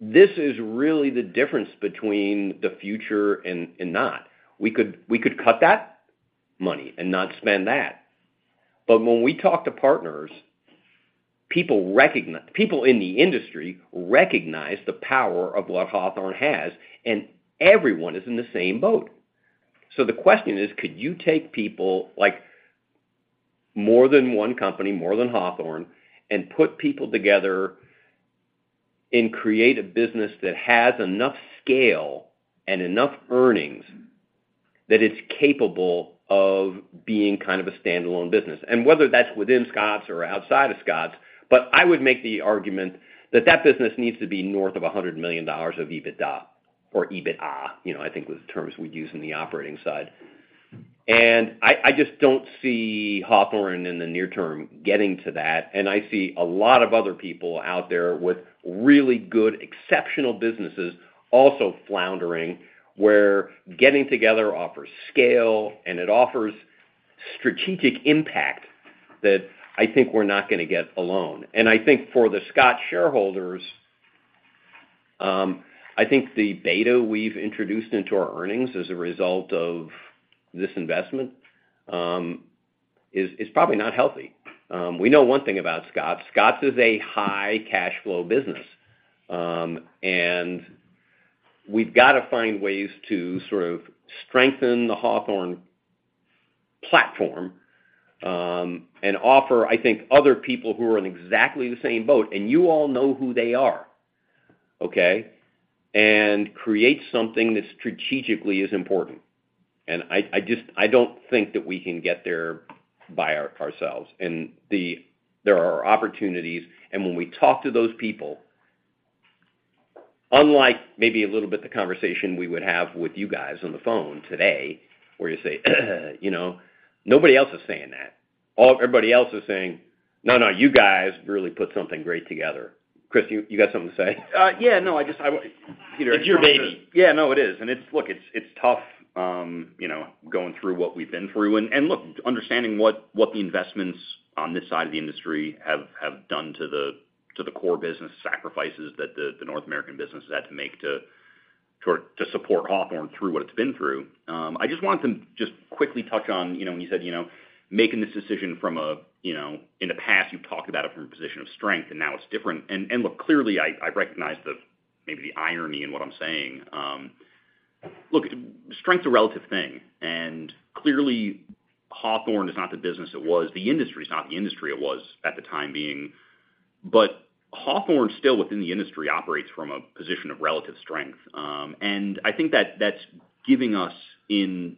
This is really the difference between the future and, and not. We could, we could cut that money and not spend that. When we talk to partners, people recognize people in the industry recognize the power of what Hawthorne has, and everyone is in the same boat. The question is: Could you take people, like, more than one company, more than Hawthorne, and put people together? And create a business that has enough scale and enough earnings, that it's capable of being kind of a standalone business. Whether that's within Scotts or outside of Scotts, but I would make the argument that that business needs to be north of $100 million of EBITDA or EBITA, you know, I think was the terms we use in the operating side. I, I just don't see Hawthorne in the near term getting to that, and I see a lot of other people out there with really good, exceptional businesses also floundering, where getting together offers scale, and it offers strategic impact that I think we're not gonna get alone. I think for the Scotts shareholders, I think the beta we've introduced into our earnings as a result of this investment, is, is probably not healthy. We know one thing about Scotts. Scotts is a high cash flow business, and we've got to find ways to sort of strengthen the Hawthorne platform, and offer, I think, other people who are in exactly the same boat, and you all know who they are, okay? Create something that strategically is important. I, I just, I don't think that we can get there by our, ourselves. There are opportunities, and when we talk to those people, unlike maybe a little bit the conversation we would have with you guys on the phone today, where you say, you know, nobody else is saying that. Everybody else is saying, "No, no, you guys really put something great together." Chris, you, you got something to say? Yeah, no, I just. It's your baby. Yeah, no, it is. Look, it's, it's tough, you know, going through what we've been through. Look, understanding what, what the investments on this side of the industry have, have done to the, to the core business, sacrifices that the North American business has had to make to, to, to support Hawthorne through what it's been through. I just wanted to just quickly touch on, you know, when you said, you know, making this decision from a, you know, in the past, you've talked about it from a position of strength, and now it's different. Look, clearly, I, I recognize the, maybe the irony in what I'm saying. Look, strength's a relative thing, and clearly, Hawthorne is not the business it was. The industry is not the industry it was at the time being. Hawthorne, still within the industry, operates from a position of relative strength. I think that that's giving us, in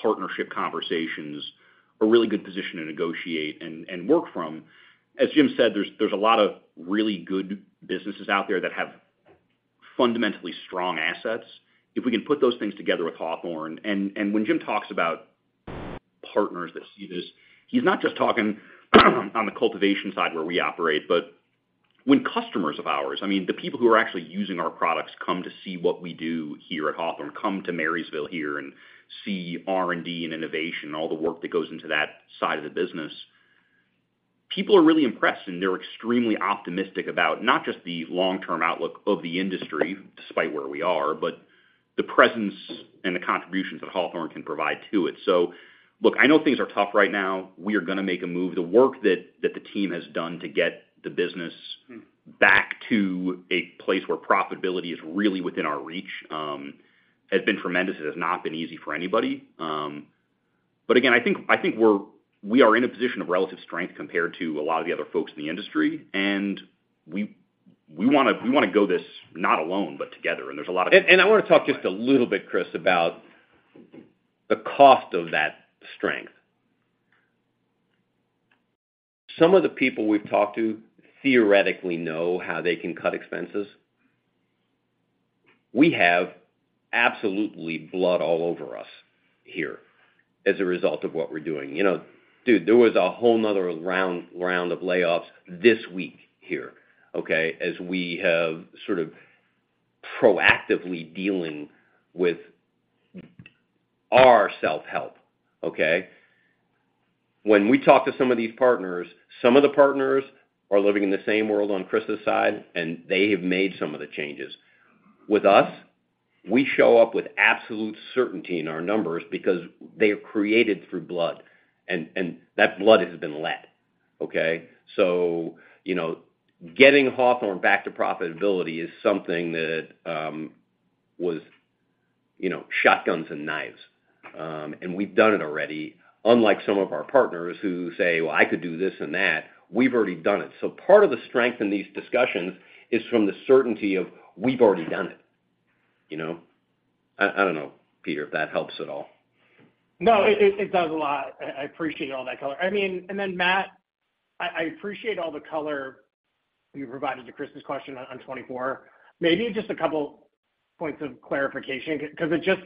partnership conversations, a really good position to negotiate and work from. As Jim said, there's a lot of really good businesses out there that have fundamentally strong assets. If we can put those things together with Hawthorne... When Jim talks about partners that see this, he's not just talking on the cultivation side where we operate, but when customers of ours, I mean, the people who are actually using our products, come to see what we do here at Hawthorne, come to Marysville here and see R&D and innovation, all the work that goes into that side of the business, people are really impressed, and they're extremely optimistic about not just the long-term outlook of the industry, despite where we are, but the presence and the contributions that Hawthorne can provide to it. Look, I know things are tough right now. We are gonna make a move. The work that the team has done to get the business back to a place where profitability is really within our reach, has been tremendous. It has not been easy for anybody. Again, I think, I think we are in a position of relative strength compared to a lot of the other folks in the industry, and we, we wanna, we wanna go this not alone, but together. There's a lot of- I wanna talk just a little bit, Chris, about the cost of that strength. Some of the people we've talked to theoretically know how they can cut expenses. We have absolutely blood all over us here as a result of what we're doing. You know, dude, there was a whole another round of layoffs this week here, okay? As we have sort of proactively dealing with our self-help, okay? When we talk to some of these partners, some of the partners are living in the same world on Chris's side, and they have made some of the changes. With us, we show up with absolute certainty in our numbers because they are created through blood, and that blood has been let, okay? So, you know, getting Hawthorne back to profitability is something that was, you know, shotguns and knives. We've done it already, unlike some of our partners who say, "Well, I could do this and that." We've already done it. Part of the strength in these discussions is from the certainty of we've already done it, you know? I, I don't know, Peter, if that helps at all. No, it, it, it does a lot. I, I appreciate all that color. I mean, then, Matt, I, I appreciate all the color you provided to Chris's question on, on 2024. Maybe just a couple points of clarification because it just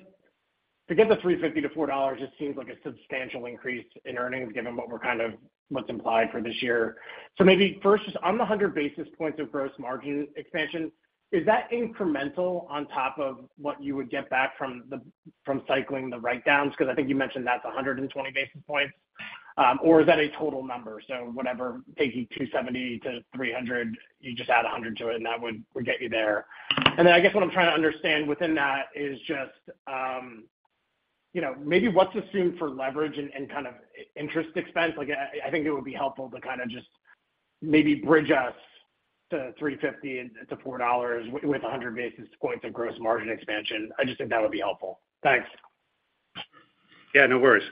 to get the $3.50 to $4.00 just seems like a substantial increase in earnings, given what we're kind of what's implied for this year. Maybe first, on the 100 basis points of gross margin expansion, is that incremental on top of what you would get back from the, from cycling the write-downs? Because I think you mentioned that's 120 basis points. Is that a total number? Whatever, taking 270 to 300, you just add 100 to it, and that would, would get you there. Then I guess what I'm trying to understand within that is just, you know, maybe what's assumed for leverage and, and kind of i- interest expense? Like, I, I think it would be helpful to kind of just maybe bridge us to $3.50, to $4 with, with 100 basis points of gross margin expansion. I just think that would be helpful. Thanks. Yeah, no worries.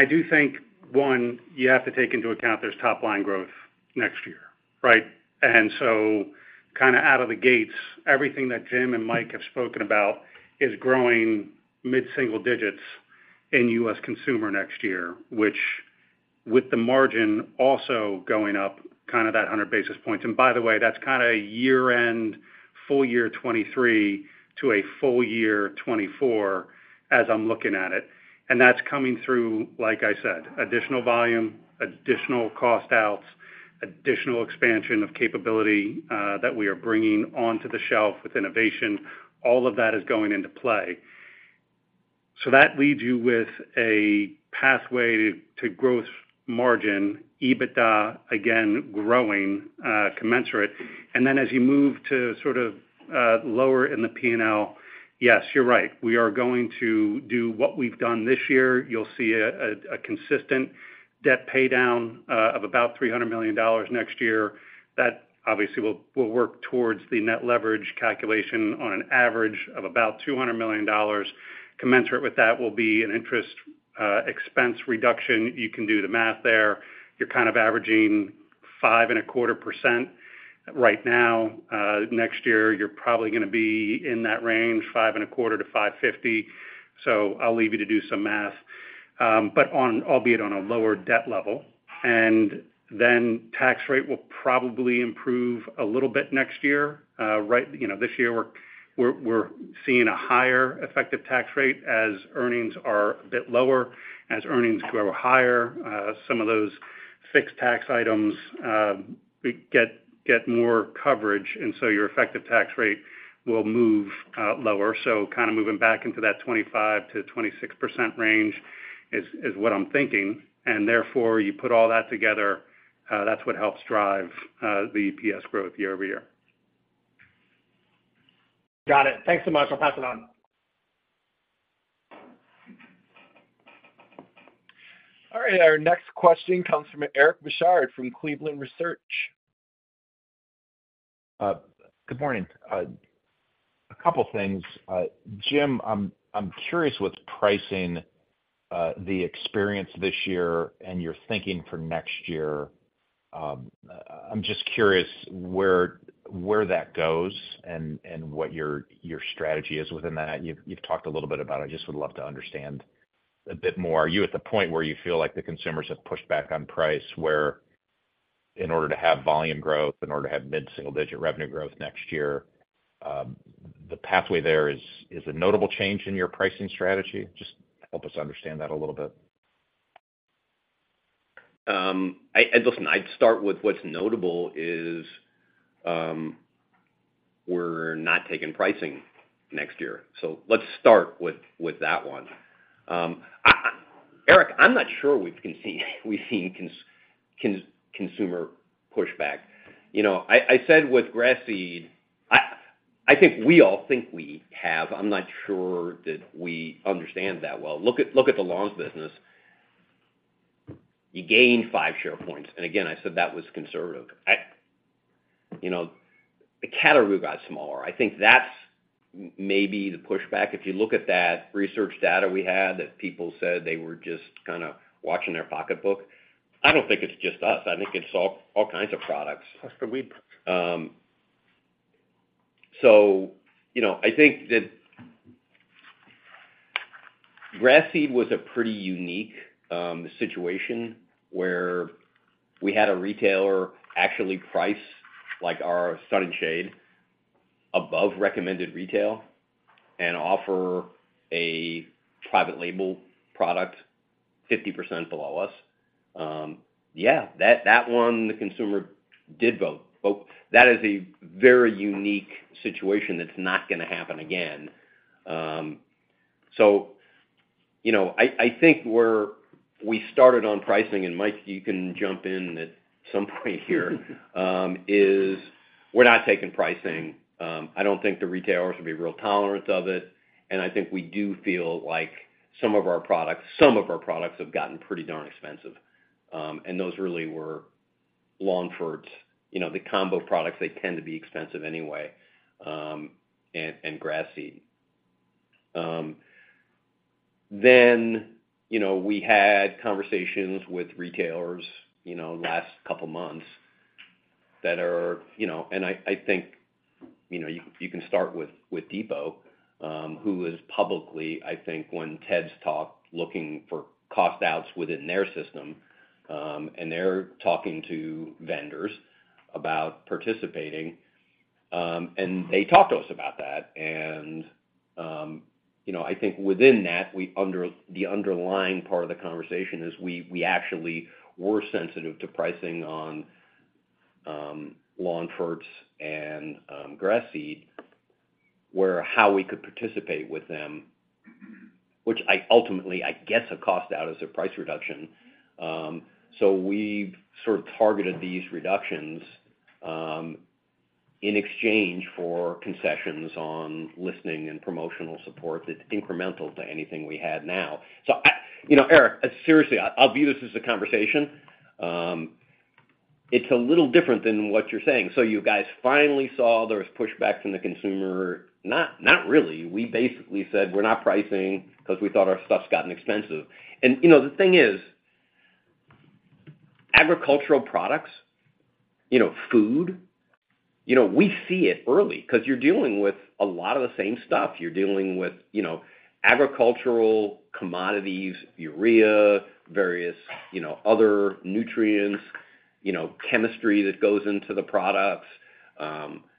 I do think, one, you have to take into account there's top line growth next year, right? Kind of out of the gates, everything that Jim and Mike have spoken about is growing mid-single digits in U.S. Consumer next year, which with the margin also going up kind of that 100 basis points. By the way, that's kind of a year-end, full year 2023 to a full year 2024 as I'm looking at it. That's coming through, like I said, additional volume, additional cost outs, additional expansion of capability, that we are bringing onto the shelf with innovation. All of that is going into play. That leaves you with a pathway to, to growth margin, EBITDA, again, growing, commensurate. As you move to sort of, lower in the P&L, yes, you're right. We are going to do what we've done this year. You'll see a, a, a consistent debt paydown, of about $300 million next year. That obviously will, will work towards the net leverage calculation on an average of about $200 million. Commensurate with that will be an interest, expense reduction. You can do the math there. You're kind of averaging 5.25% right now. Next year, you're probably gonna be in that range, 5.25%-5.50%. So I'll leave you to do some math. But albeit on a lower debt level, and then tax rate will probably improve a little bit next year. Right, you know, this year, we're, we're, we're seeing a higher effective tax rate as earnings are a bit lower. As earnings grow higher, some of those fixed tax items get, get more coverage, your effective tax rate will move lower. Kind of moving back into that 25%-26% range is, is what I'm thinking. Therefore, you put all that together, that's what helps drive the PS growth year-over-year. Got it. Thanks so much. I'll pass it on. All right, our next question comes from Eric Bosshard from Cleveland Research. Good morning. A couple things. Jim, I'm, I'm curious what's pricing, the experience this year and your thinking for next year. I'm just curious where, where that goes and, and what your, your strategy is within that. You've, you've talked a little bit about it. I just would love to understand a bit more. Are you at the point where you feel like the consumers have pushed back on price, where in order to have volume growth, in order to have mid-single digit revenue growth next year, the pathway there is, is a notable change in your pricing strategy? Just help us understand that a little bit. Listen, I'd start with what's notable is, we're not taking pricing next year. Let's start with, with that one. I, Eric, I'm not sure we've seen, we've seen consumer pushback. You know, I, I said with grass seed, I, I think we all think we have. I'm not sure that we understand that well. Look at, look at the Lawns business. You gained 5 share points, again, I said that was conservative. You know, the category got smaller. I think that's maybe the pushback. If you look at that research data we had, that people said they were just kind of watching their pocketbook, I don't think it's just us. I think it's all, all kinds of products. You know, I think that grass seed was a pretty unique situation where we had a retailer actually price, like our Sun & Shade, above recommended retail and offer a private label product 50% below us. That, that one, the consumer did vote. That is a very unique situation that's not gonna happen again. You know, I, I think we started on pricing, and Mike, you can jump in at some point here, is we're not taking pricing. I don't think the retailers would be real tolerant of it, and I think we do feel like some of our products, some of our products have gotten pretty darn expensive. Those really were lawn ferts. You know, the combo products, they tend to be expensive anyway, and, and grass seed. You know, we had conversations with retailers, you know, the last 2 months that are, you know. I think, you know, you, you can start with, with Depot, who is publicly, I think, when Ted's talked, looking for cost outs within their system, and they're talking to vendors about participating, and they talk to us about that. You know, I think within that, the underlying part of the conversation is we, we actually were sensitive to pricing on lawn ferts and grass seed, where how we could participate with them, which I ultimately, I guess, a cost out is a price reduction. We've sort of targeted these reductions in exchange for concessions on listening and promotional support that's incremental to anything we have now. I-- You know, Eric, seriously, I, I'll view this as a conversation. It's a little different than what you're saying. You guys finally saw there was pushback from the consumer? Not, not really. We basically said, we're not pricing because we thought our stuff's gotten expensive. You know, the thing is, agricultural products, you know, food, you know, we see it early 'cause you're dealing with a lot of the same stuff. You're dealing with, you know, agricultural commodities, urea, various, you know, other nutrients, you know, chemistry that goes into the products,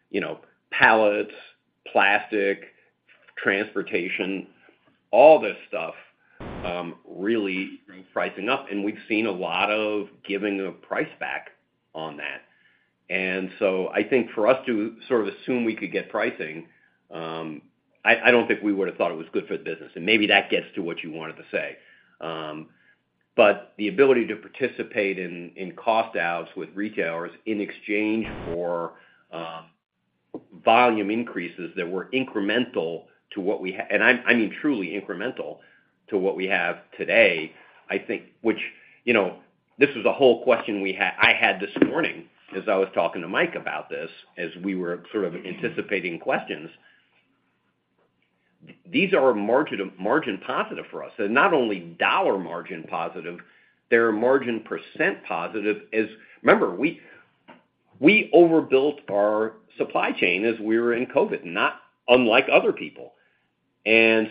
you know, pallets, plastic, transportation, all this stuff, really pricing up. We've seen a lot of giving the price back on that. I think for us to sort of assume we could get pricing, I, I don't think we would have thought it was good for the business, and maybe that gets to what you wanted to say. But the ability to participate in cost outs with retailers in exchange for volume increases that were incremental to what we, and I mean, truly incremental to what we have today, I think. Which, you know, this is a whole question we had, I had this morning as I was talking to Mike about this, as we were sort of anticipating questions. These are margin, margin positive for us. Not only dollar margin positive, they're margin % positive, as. Remember, we, we overbuilt our supply chain as we were in COVID, not unlike other people. As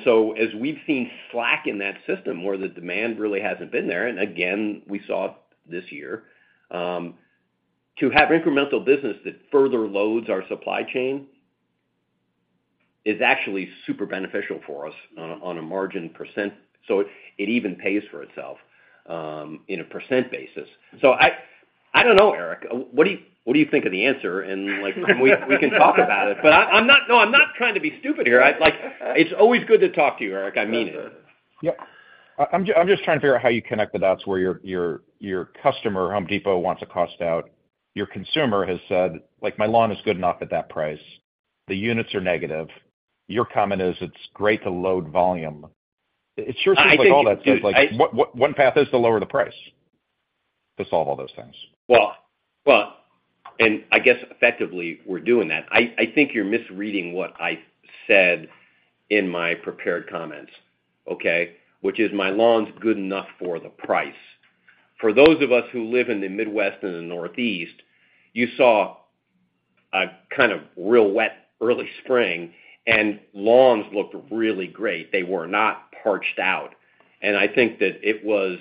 we've seen slack in that system, where the demand really hasn't been there, and again, we saw this year, to have incremental business that further loads our supply chain, is actually super beneficial for us on a, on a margin percent. It, it even pays for itself, in a percent basis. I, I don't know, Eric, what do you, what do you think of the answer? Like, we, we can talk about it, but I'm not trying to be stupid here. like, it's always good to talk to you, Eric. I mean it. Yeah. I'm just, I'm just trying to figure out how you connect the dots where your, your, your customer, The Home Depot, wants to cost out. Your consumer has said, "Like, my lawn is good enough at that price." The units are negative. Your comment is, "It's great to load volume." It sure seems like all that says, like, one, one path is to lower the price to solve all those things. Well, I guess effectively, we're doing that. I think you're misreading what I said in my prepared comments, okay? Which is, my lawn's good enough for the price. For those of us who live in the Midwest and the Northeast, you saw a kind of real wet, early spring, and lawns looked really great. They were not parched out. I think that it was,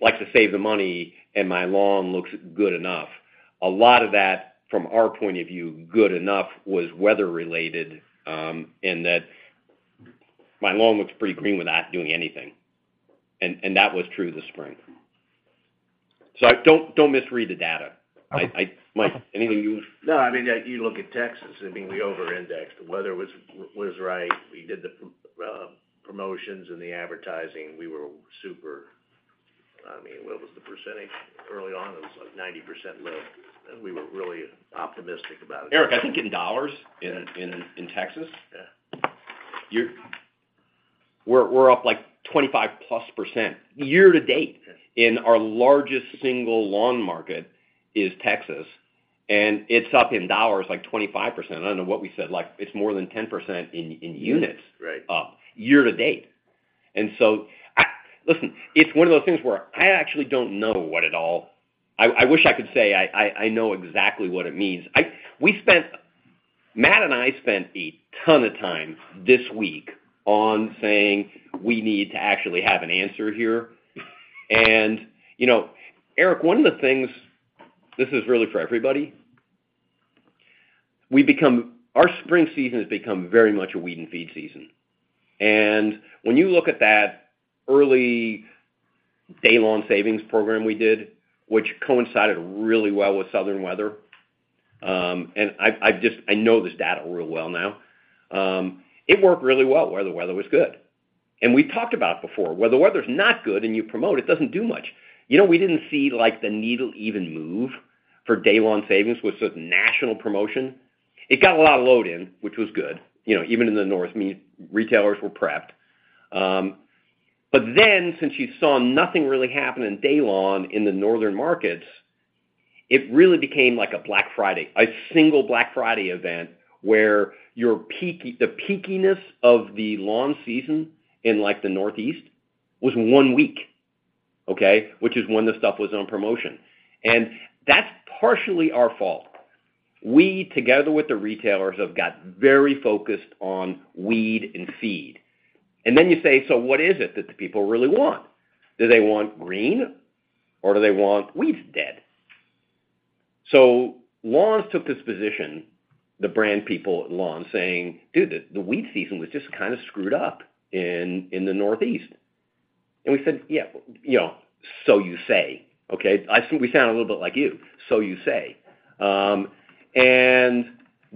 like to save the money, and my lawn looks good enough. A lot of that, from our point of view, good enough, was weather-related, in that my lawn looks pretty green without doing anything, and that was true this spring. Don't misread the data. Mike, anything you- No, I mean, you look at Texas, I mean, we over-indexed. The weather was, was right. We did the promotions and the advertising. We were super... I mean, what was the percentage early on? It was like 90% low, and we were really optimistic about it. Eric, I think in dollars, in Texas. Yeah. We're, we're up, like, 25 plus % year to date. Our largest single lawn market is Texas, and it's up in dollars, like 25%. I don't know what we said, like, it's more than 10% in, in units... Right. -up year to date. So I-- listen, it's one of those things where I actually don't know what it all... I, I wish I could say I, I, I know exactly what it means. Matt and I spent a ton of time this week on saying we need to actually have an answer here. You know, Eric, one of the things, this is really for everybody. We become-- our spring season has become very much a Weed & Feed season. When you look at that early Day-Long Savings program we did, which coincided really well with Southern weather, and I've, I've just-- I know this data really well now. It worked really well, where the weather was good. We talked about it before, where the weather's not good and you promote it, it doesn't do much. You know, we didn't see, like, the needle even move for Day-Long Savings, which was a national promotion. It got a lot of load in, which was good, you know, even in the north, retailers were prepped. Then since you saw nothing really happened in DayLawn in the northern markets, it really became like a Black Friday, a single Black Friday event where the peakiness of the lawn season in, like, the Northeast was 1 week, okay? Is when the stuff was on promotion. That's partially our fault. We, together with the retailers, have got very focused on Weed & Feed. Then you say, "What is it that the people really want? Do they want green, or do they want weeds dead?" Lawns took this position, the brand people at Lawns, saying, "Dude, the weed season was just kind of screwed up in, in the Northeast." We said, "Yeah, you know, so you say," okay? I think we sound a little bit like you, so you say.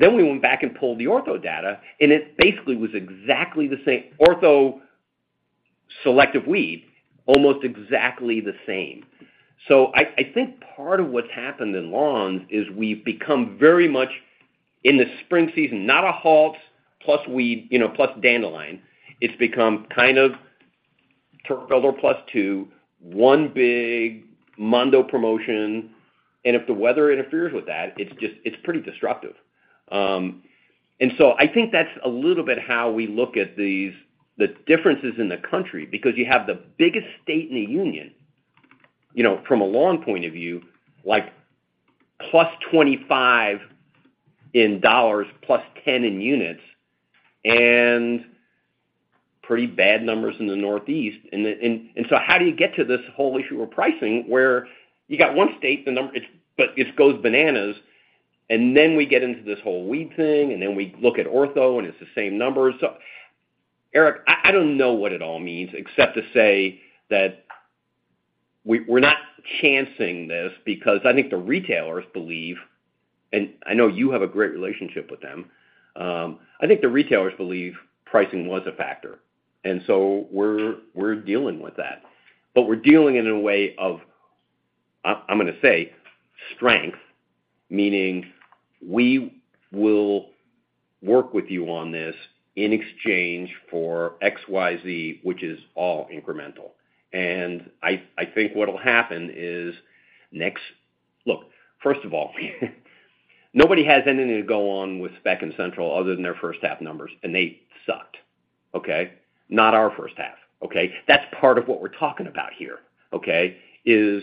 Then we went back and pulled the Ortho data, and it basically was exactly the same. Ortho selective weed, almost exactly the same. I, I think part of what's happened in Lawns is we've become very much in the spring season, not a halt, plus weed, you know, plus dandelion. It's become Turbo plus two, one big mondo promotion, and if the weather interferes with that, it's just, it's pretty disruptive. So I think that's a little bit how we look at these, the differences in the country, because you have the biggest state in the union, you know, from a lawn point of view, like +$25, +10 units, and pretty bad numbers in the Northeast. So how do you get to this whole issue of pricing, where you got 1 state, the number-- it's, but it goes bananas, and then we get into this whole weed thing, and then we look at Ortho, and it's the same numbers. Eric, I, I don't know what it all means except to say that we're not chancing this because I think the retailers believe, and I know you have a great relationship with them. I think the retailers believe pricing was a factor, so we're, we're dealing with that. We're dealing in a way of, I'm gonna say, strength, meaning we will work with you on this in exchange for XYZ, which is all incremental. I think what will happen is next... Look, first of all, nobody has anything to go on with Spec and Central other than their first half numbers, and they sucked, okay? Not our first half, okay? That's part of what we're talking about here, okay? Is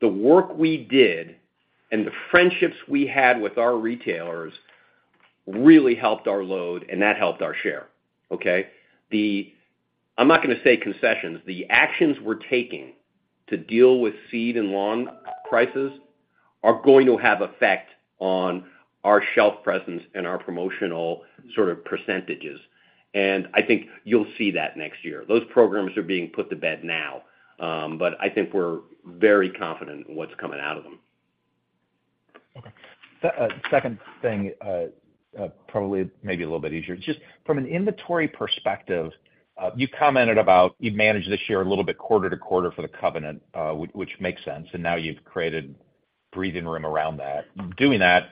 the work we did and the friendships we had with our retailers really helped our load, and that helped our share, okay? The... I'm not gonna say concessions, the actions we're taking to deal with seed and lawn prices are going to have effect on our shelf presence and our promotional sort of percentages. I think you'll see that next year. Those programs are being put to bed now, but I think we're very confident in what's coming out of them. Okay. Second thing, probably maybe a little bit easier. Just from an inventory perspective, you commented about you've managed this year a little bit quarter to quarter for the covenant, which makes sense, and now you've created breathing room around that. Doing that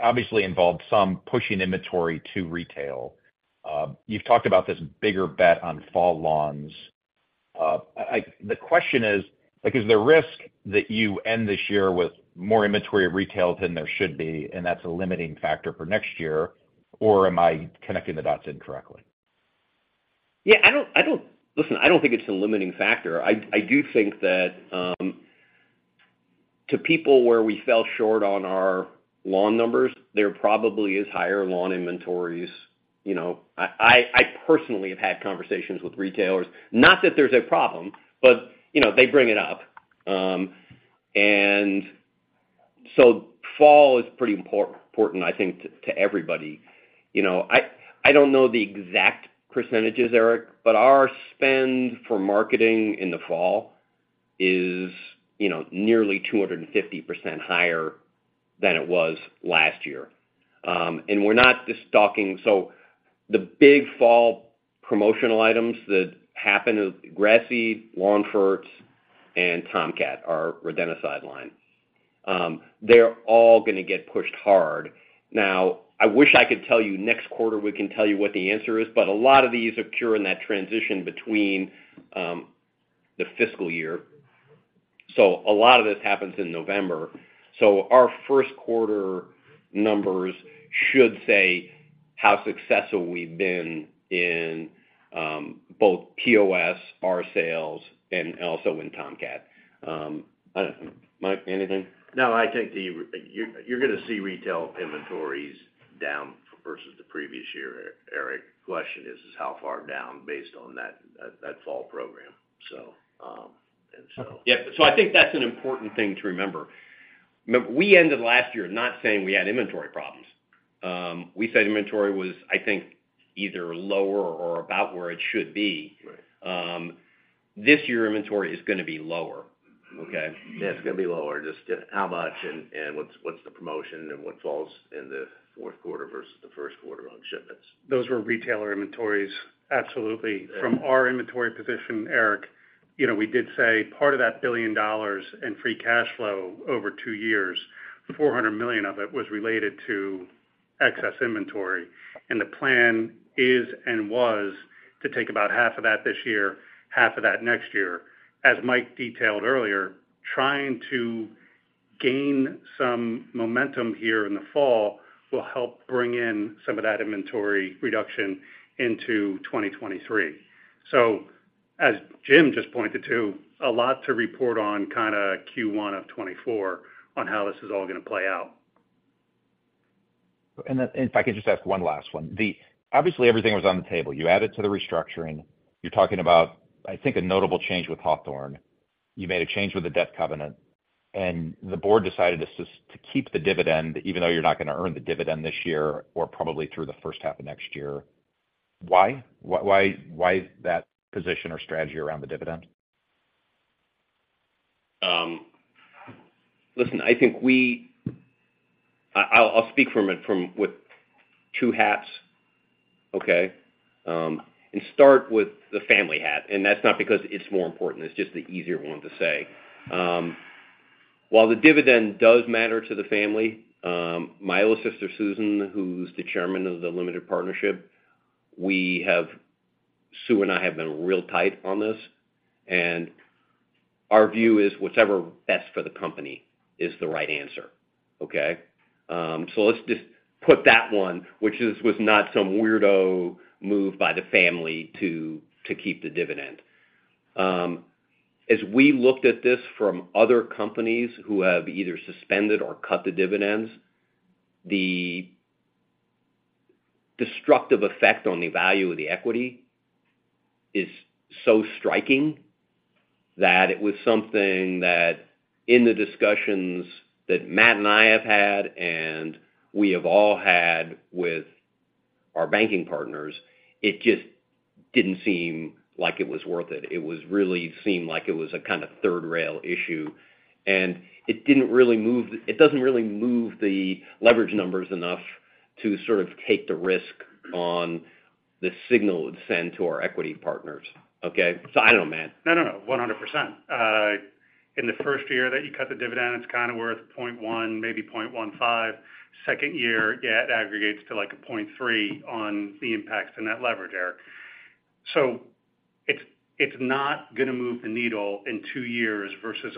obviously involved some pushing inventory to retail. You've talked about this bigger bet on fall lawns. I, the question is, like, is the risk that you end this year with more inventory of retail than there should be, and that's a limiting factor for next year, or am I connecting the dots incorrectly? Yeah, I don't, I don't listen, I don't think it's a limiting factor. I, I do think that, to people where we fell short on our lawn numbers, there probably is higher lawn inventories. You know, I, I personally have had conversations with retailers, not that there's a problem, but, you know, they bring it up. Fall is pretty important, I think, to, to everybody. You know, I, I don't know the exact percentages, Eric, but our spend for marketing in the fall is, you know, nearly 250% higher than it was last year. We're not just talking... The big fall promotional items that happen is grass seed, lawn ferts, and Tomcat, our rodenticide line. They're all gonna get pushed hard. I wish I could tell you next quarter, we can tell you what the answer is, but a lot of these occur in that transition between the fiscal year. A lot of this happens in November. Our first quarter numbers should say how successful we've been in both POS, our sales, and also in Tomcat. I don't know. Mike, anything? No, I think you're, you're gonna see retail inventories down versus the previous year, Eric. The question is, is how far down based on that, that fall program. Yeah, I think that's an important thing to remember. We ended last year not saying we had inventory problems. We said inventory was, I think, either lower or about where it should be. Right. This year, inventory is gonna be lower, okay? Yeah, it's gonna be lower. Just how much and what's the promotion, and what falls in the fourth quarter versus the first quarter on shipments? Those were retailer inventories, absolutely. Yeah. From our inventory position, Eric Bosshard, you know, we did say part of that $1 billion in free cash flow over 2 years, $400 million of it was related to excess inventory. The plan is and was to take about half of that this year, half of that next year. As Mike Lukemire detailed earlier, trying to gain some momentum here in the fall will help bring in some of that inventory reduction into 2023. As Jim Hagedorn just pointed to, a lot to report on kind of Q1 of 2024 on how this is all gonna play out. If I could just ask one last one. Obviously, everything was on the table. You added to the restructuring. You're talking about, I think, a notable change with Hawthorne. You made a change with the debt covenant, and the board decided to keep the dividend, even though you're not gonna earn the dividend this year or probably through the first half of next year. Why? Why, why that position or strategy around the dividend? Listen, I think we... I'll speak from it with two hats, okay? Start with the family hat, and that's not because it's more important, it's just the easier one to say. While the dividend does matter to the family, my oldest sister, Susan, who's the chairman of the limited partnership, we have. Sue and I have been real tight on this, and our view is, whatever best for the company is the right answer, okay? Let's just put that one, which is, was not some weirdo move by the family to, to keep the dividend. As we looked at this from other companies who have either suspended or cut the dividends, the destructive effect on the value of the equity is so striking that it was something that in the discussions that Matt and I have had, and we have all had with our banking partners, it just didn't seem like it was worth it. It was really seemed like it was a kind of third rail issue, it doesn't really move the leverage numbers enough to sort of take the risk on the signal it would send to our equity partners, okay? I don't know, Matt. No, no, no, 100%. In the first year that you cut the dividend, it's kind of worth 0.1, maybe 0.15. Second year, yeah, it aggregates to, like, a 0.3 on the impact to net leverage, Eric. So it's, it's not gonna move the needle in 2 years versus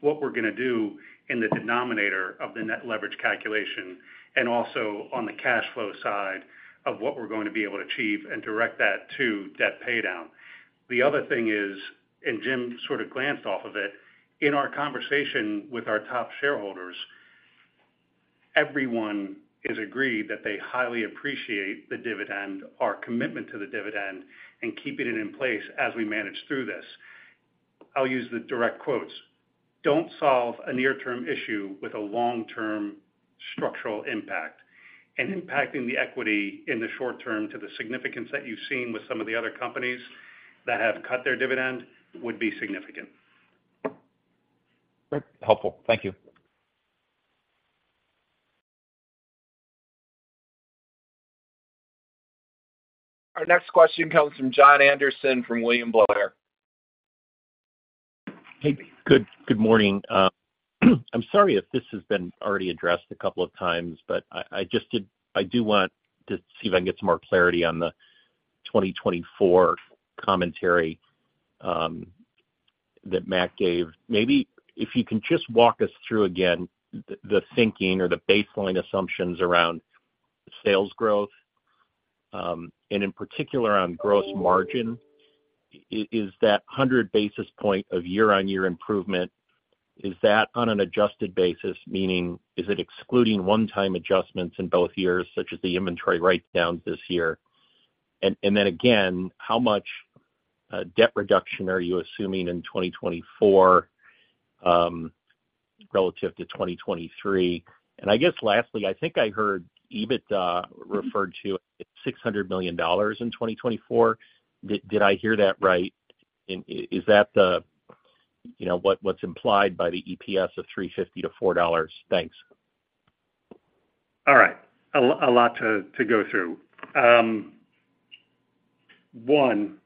what we're gonna do in the denominator of the net leverage calculation, and also on the cash flow side of what we're going to be able to achieve and direct that to debt paydown. The other thing is, and Jim sort of glanced off of it, in our conversation with our top shareholders, everyone is agreed that they highly appreciate the dividend, our commitment to the dividend, and keeping it in place as we manage through this. I'll use the direct quotes. Don't solve a near-term issue with a long-term structural impact," and impacting the equity in the short term to the significance that you've seen with some of the other companies that have cut their dividend would be significant. Great. Helpful. Thank you. Our next question comes from c Hey, good, good morning. I'm sorry if this has been already addressed a couple of times, but I do want to see if I can get some more clarity on the 2024 commentary that Matt gave. Maybe if you can just walk us through again the, the thinking or the baseline assumptions around sales growth and in particular on gross margin. Is that 100 basis points of year-on-year improvement, is that on an adjusted basis, meaning, is it excluding one-time adjustments in both years, such as the inventory write-downs this year? Then again, how much debt reduction are you assuming in 2024 relative to 2023? I guess lastly, I think I heard EBITDA referred to at $600 million in 2024. Did I hear that right? Is that the, you know, what, what's implied by the EPS of $3.50-$4? Thanks. All right. A lot to, to go through. One,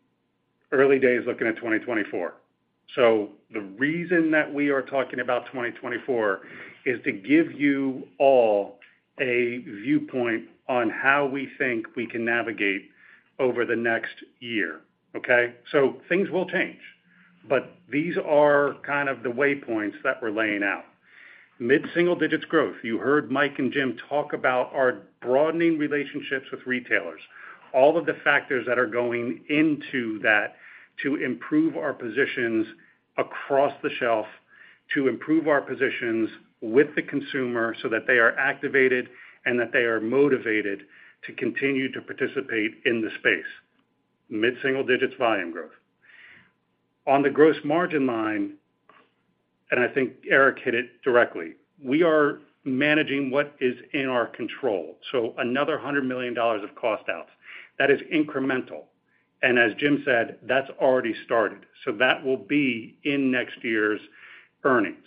early days looking at 2024. The reason that we are talking about 2024 is to give you all a viewpoint on how we think we can navigate over the next year, okay? Things will change, but these are kind of the waypoints that we're laying out. Mid-single digits growth. You heard Mike and Jim talk about our broadening relationships with retailers. All of the factors that are going into that to improve our positions across the shelf, to improve our positions with the consumer so that they are activated and that they are motivated to continue to participate in the space. Mid-single digits volume growth. On the gross margin line, and I think Eric hit it directly, we are managing what is in our control. Another $100 million of cost outs, that is incremental, and as Jim said, that's already started, so that will be in next year's earnings.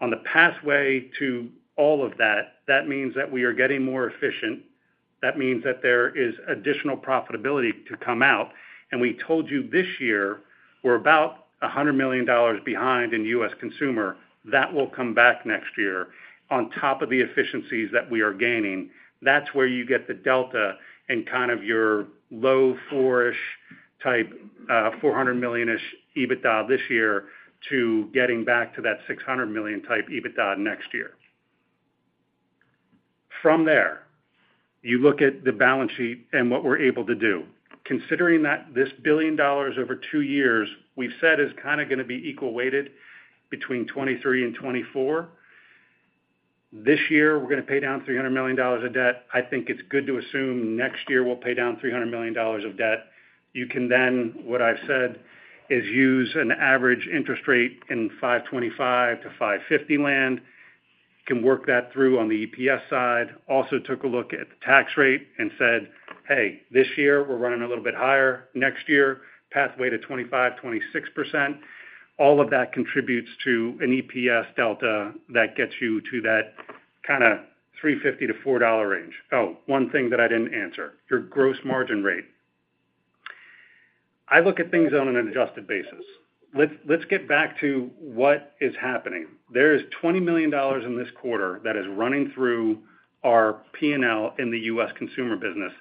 On the pathway to all of that, that means that we are getting more efficient. That means that there is additional profitability to come out. We told you this year, we're about $100 million behind in U.S. Consumer. That will come back next year on top of the efficiencies that we are gaining. That's where you get the delta in kind of your low four-ish type, $400 million-ish EBITDA this year to getting back to that $600 million type EBITDA next year. From there, you look at the balance sheet and what we're able to do. Considering that this $1 billion over 2 years, we've said is kind of gonna be equal weighted between 2023 and 2024. This year, we're gonna pay down $300 million of debt. I think it's good to assume next year we'll pay down $300 million of debt. You can then, what I've said, is use an average interest rate in 5.25-5.50 land, can work that through on the EPS side. Took a look at the tax rate and said, "Hey, this year we're running a little bit higher. Next year, pathway to 25%-26%." All of that contributes to an EPS delta that gets you to that kind of $3.50-$4 range. One thing that I didn't answer, your gross margin rate. I look at things on an adjusted basis. Let's get back to what is happening. There is $20 million in this quarter that is running through our P&L in the U.S. Consumer business.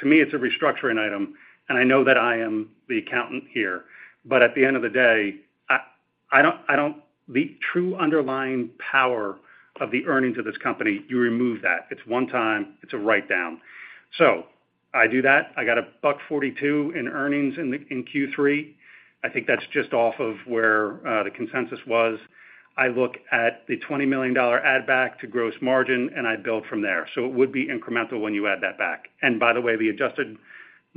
To me, it's a restructuring item, and I know that I am the accountant here, but at the end of the day, I don't. The true underlying power of the earnings of this company, you remove that. It's one time, it's a write-down. I do that. I got $1.42 in earnings in the, in Q3. I think that's just off of where the consensus was. I look at the $20 million add back to gross margin, and I build from there. It would be incremental when you add that back. By the way,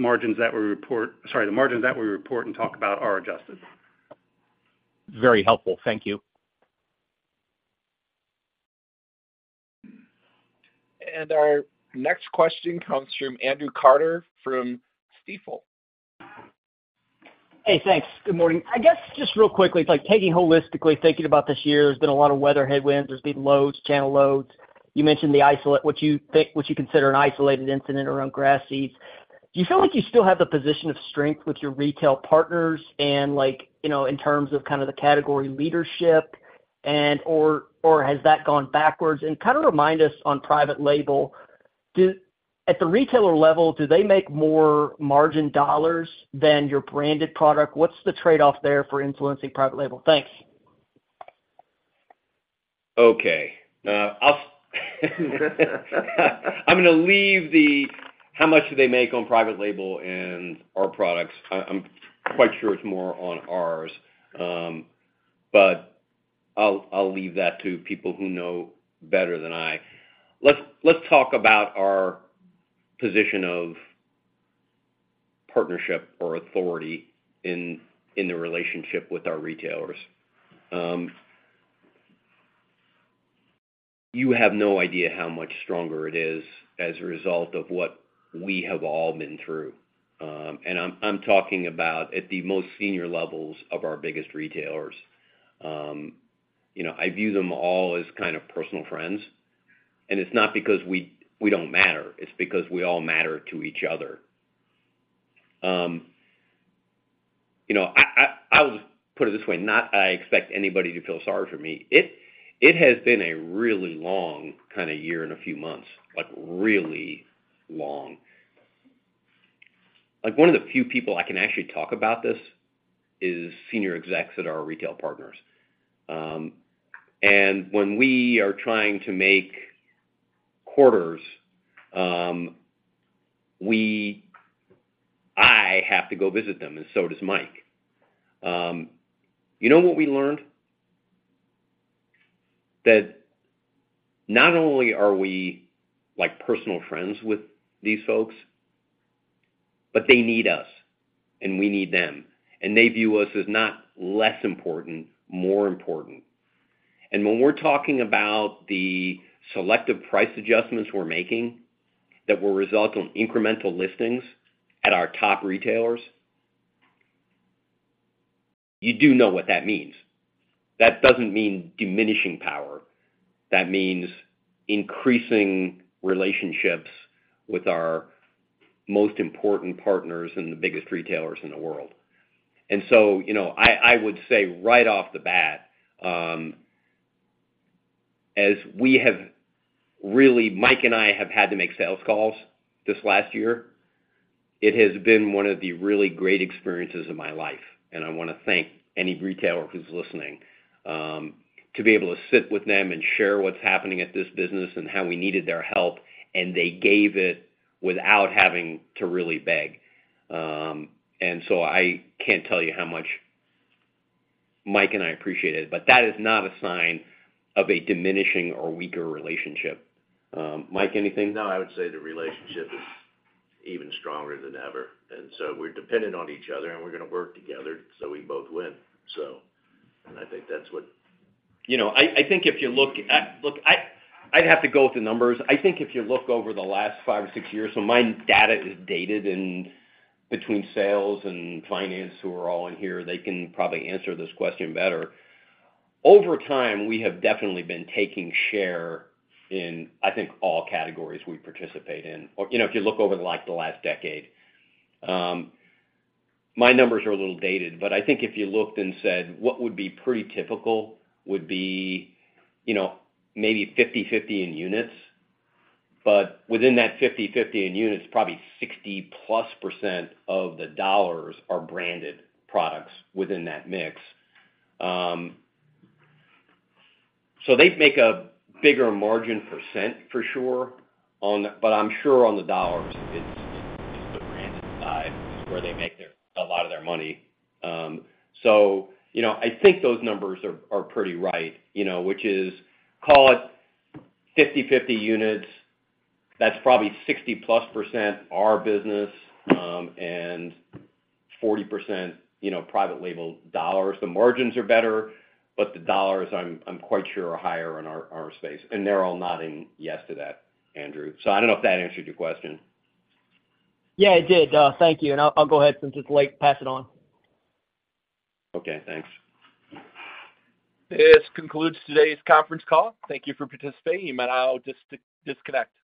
Sorry, the margins that we report and talk about are adjusted. Very helpful. Thank you. Our next question comes from Andrew Carter from Stifel. Hey, thanks. Good morning. just real quickly, taking holistically, thinking about this year, there's been a lot of weather headwinds. There's been loads, channel loads. You mentioned what you consider an isolated incident around grass seeds. Do you feel like you still have the position of strength with your retail partners and, like, you know, in terms of kind of the category leadership, and, or, or has that gone backwards? Kind of remind us on private label, at the retailer level, do they make more margin dollars than your branded product? What's the trade-off there for influencing private label? Thanks. Okay, I'll I'm gonna leave the, how much do they make on private label and our products? I, I'm quite sure it's more on ours, but I'll, I'll leave that to people who know better than I. Let's, let's talk about our position of partnership or authority in, in the relationship with our retailers. You have no idea how much stronger it is as a result of what we have all been through. I'm, I'm talking about at the most senior levels of our biggest retailers. You know, I view them all as kind of personal friends, and it's not because we, we don't matter, it's because we all matter to each other. You know, I, I, I'll just put it this way, not I expect anybody to feel sorry for me. It, it has been a really long kind of year and a few months, like, really long. Like, one of the few people I can actually talk about this is senior execs at our retail partners. When we are trying to make quarters, we I have to go visit them, and so does Mike. You know what we learned? Not only are we, like, personal friends with these folks, but they need us, and we need them, and they view us as not less important, more important. When we're talking about the selective price adjustments we're making, that will result in incremental listings at our top retailers, you do know what that means. Doesn't mean diminishing power. Means increasing relationships with our most important partners and the biggest retailers in the world. You know, I, I would say right off the bat, as we have really, Mike and I have had to make sales calls this last year, it has been one of the really great experiences of my life, and I want to thank any retailer who's listening. To be able to sit with them and share what's happening at this business and how we needed their help, and they gave it without having to really beg. I can't tell you how much Mike and I appreciate it, but that is not a sign of a diminishing or weaker relationship. Mike, anything? No, I would say the relationship is even stronger than ever, and so we're dependent on each other, and we're gonna work together, so we both win. I think that's. You know, I, I think if you look. Look, I, I'd have to go with the numbers. I think if you look over the last five or six years, so my data is dated, and between sales and finance, who are all in here, they can probably answer this question better. Over time, we have definitely been taking share in, I think, all categories we participate in. You know, if you look over, like, the last decade, my numbers are a little dated, but I think if you looked and said, what would be pretty typical would be, you know, maybe 50/50 in units. Within that 50/50 in units, probably 60+% of the dollars are branded products within that mix. They make a bigger margin %, for sure, on that, but I'm sure on the dollars, it's, it's the branded side where they make their, a lot of their money. You know, I think those numbers are, are pretty right, you know, which is, call it 50/50 units. That's probably 60+% our business, and 40%, you know, private label dollars. The margins are better, but the dollars, I'm, I'm quite sure, are higher in our, our space, and they're all nodding yes to that, Andrew. I don't know if that answered your question. Yeah, it did. Thank you. I'll go ahead since it's late, pass it on. Okay, thanks. This concludes today's conference call. Thank you for participating. You may now dis-disconnect.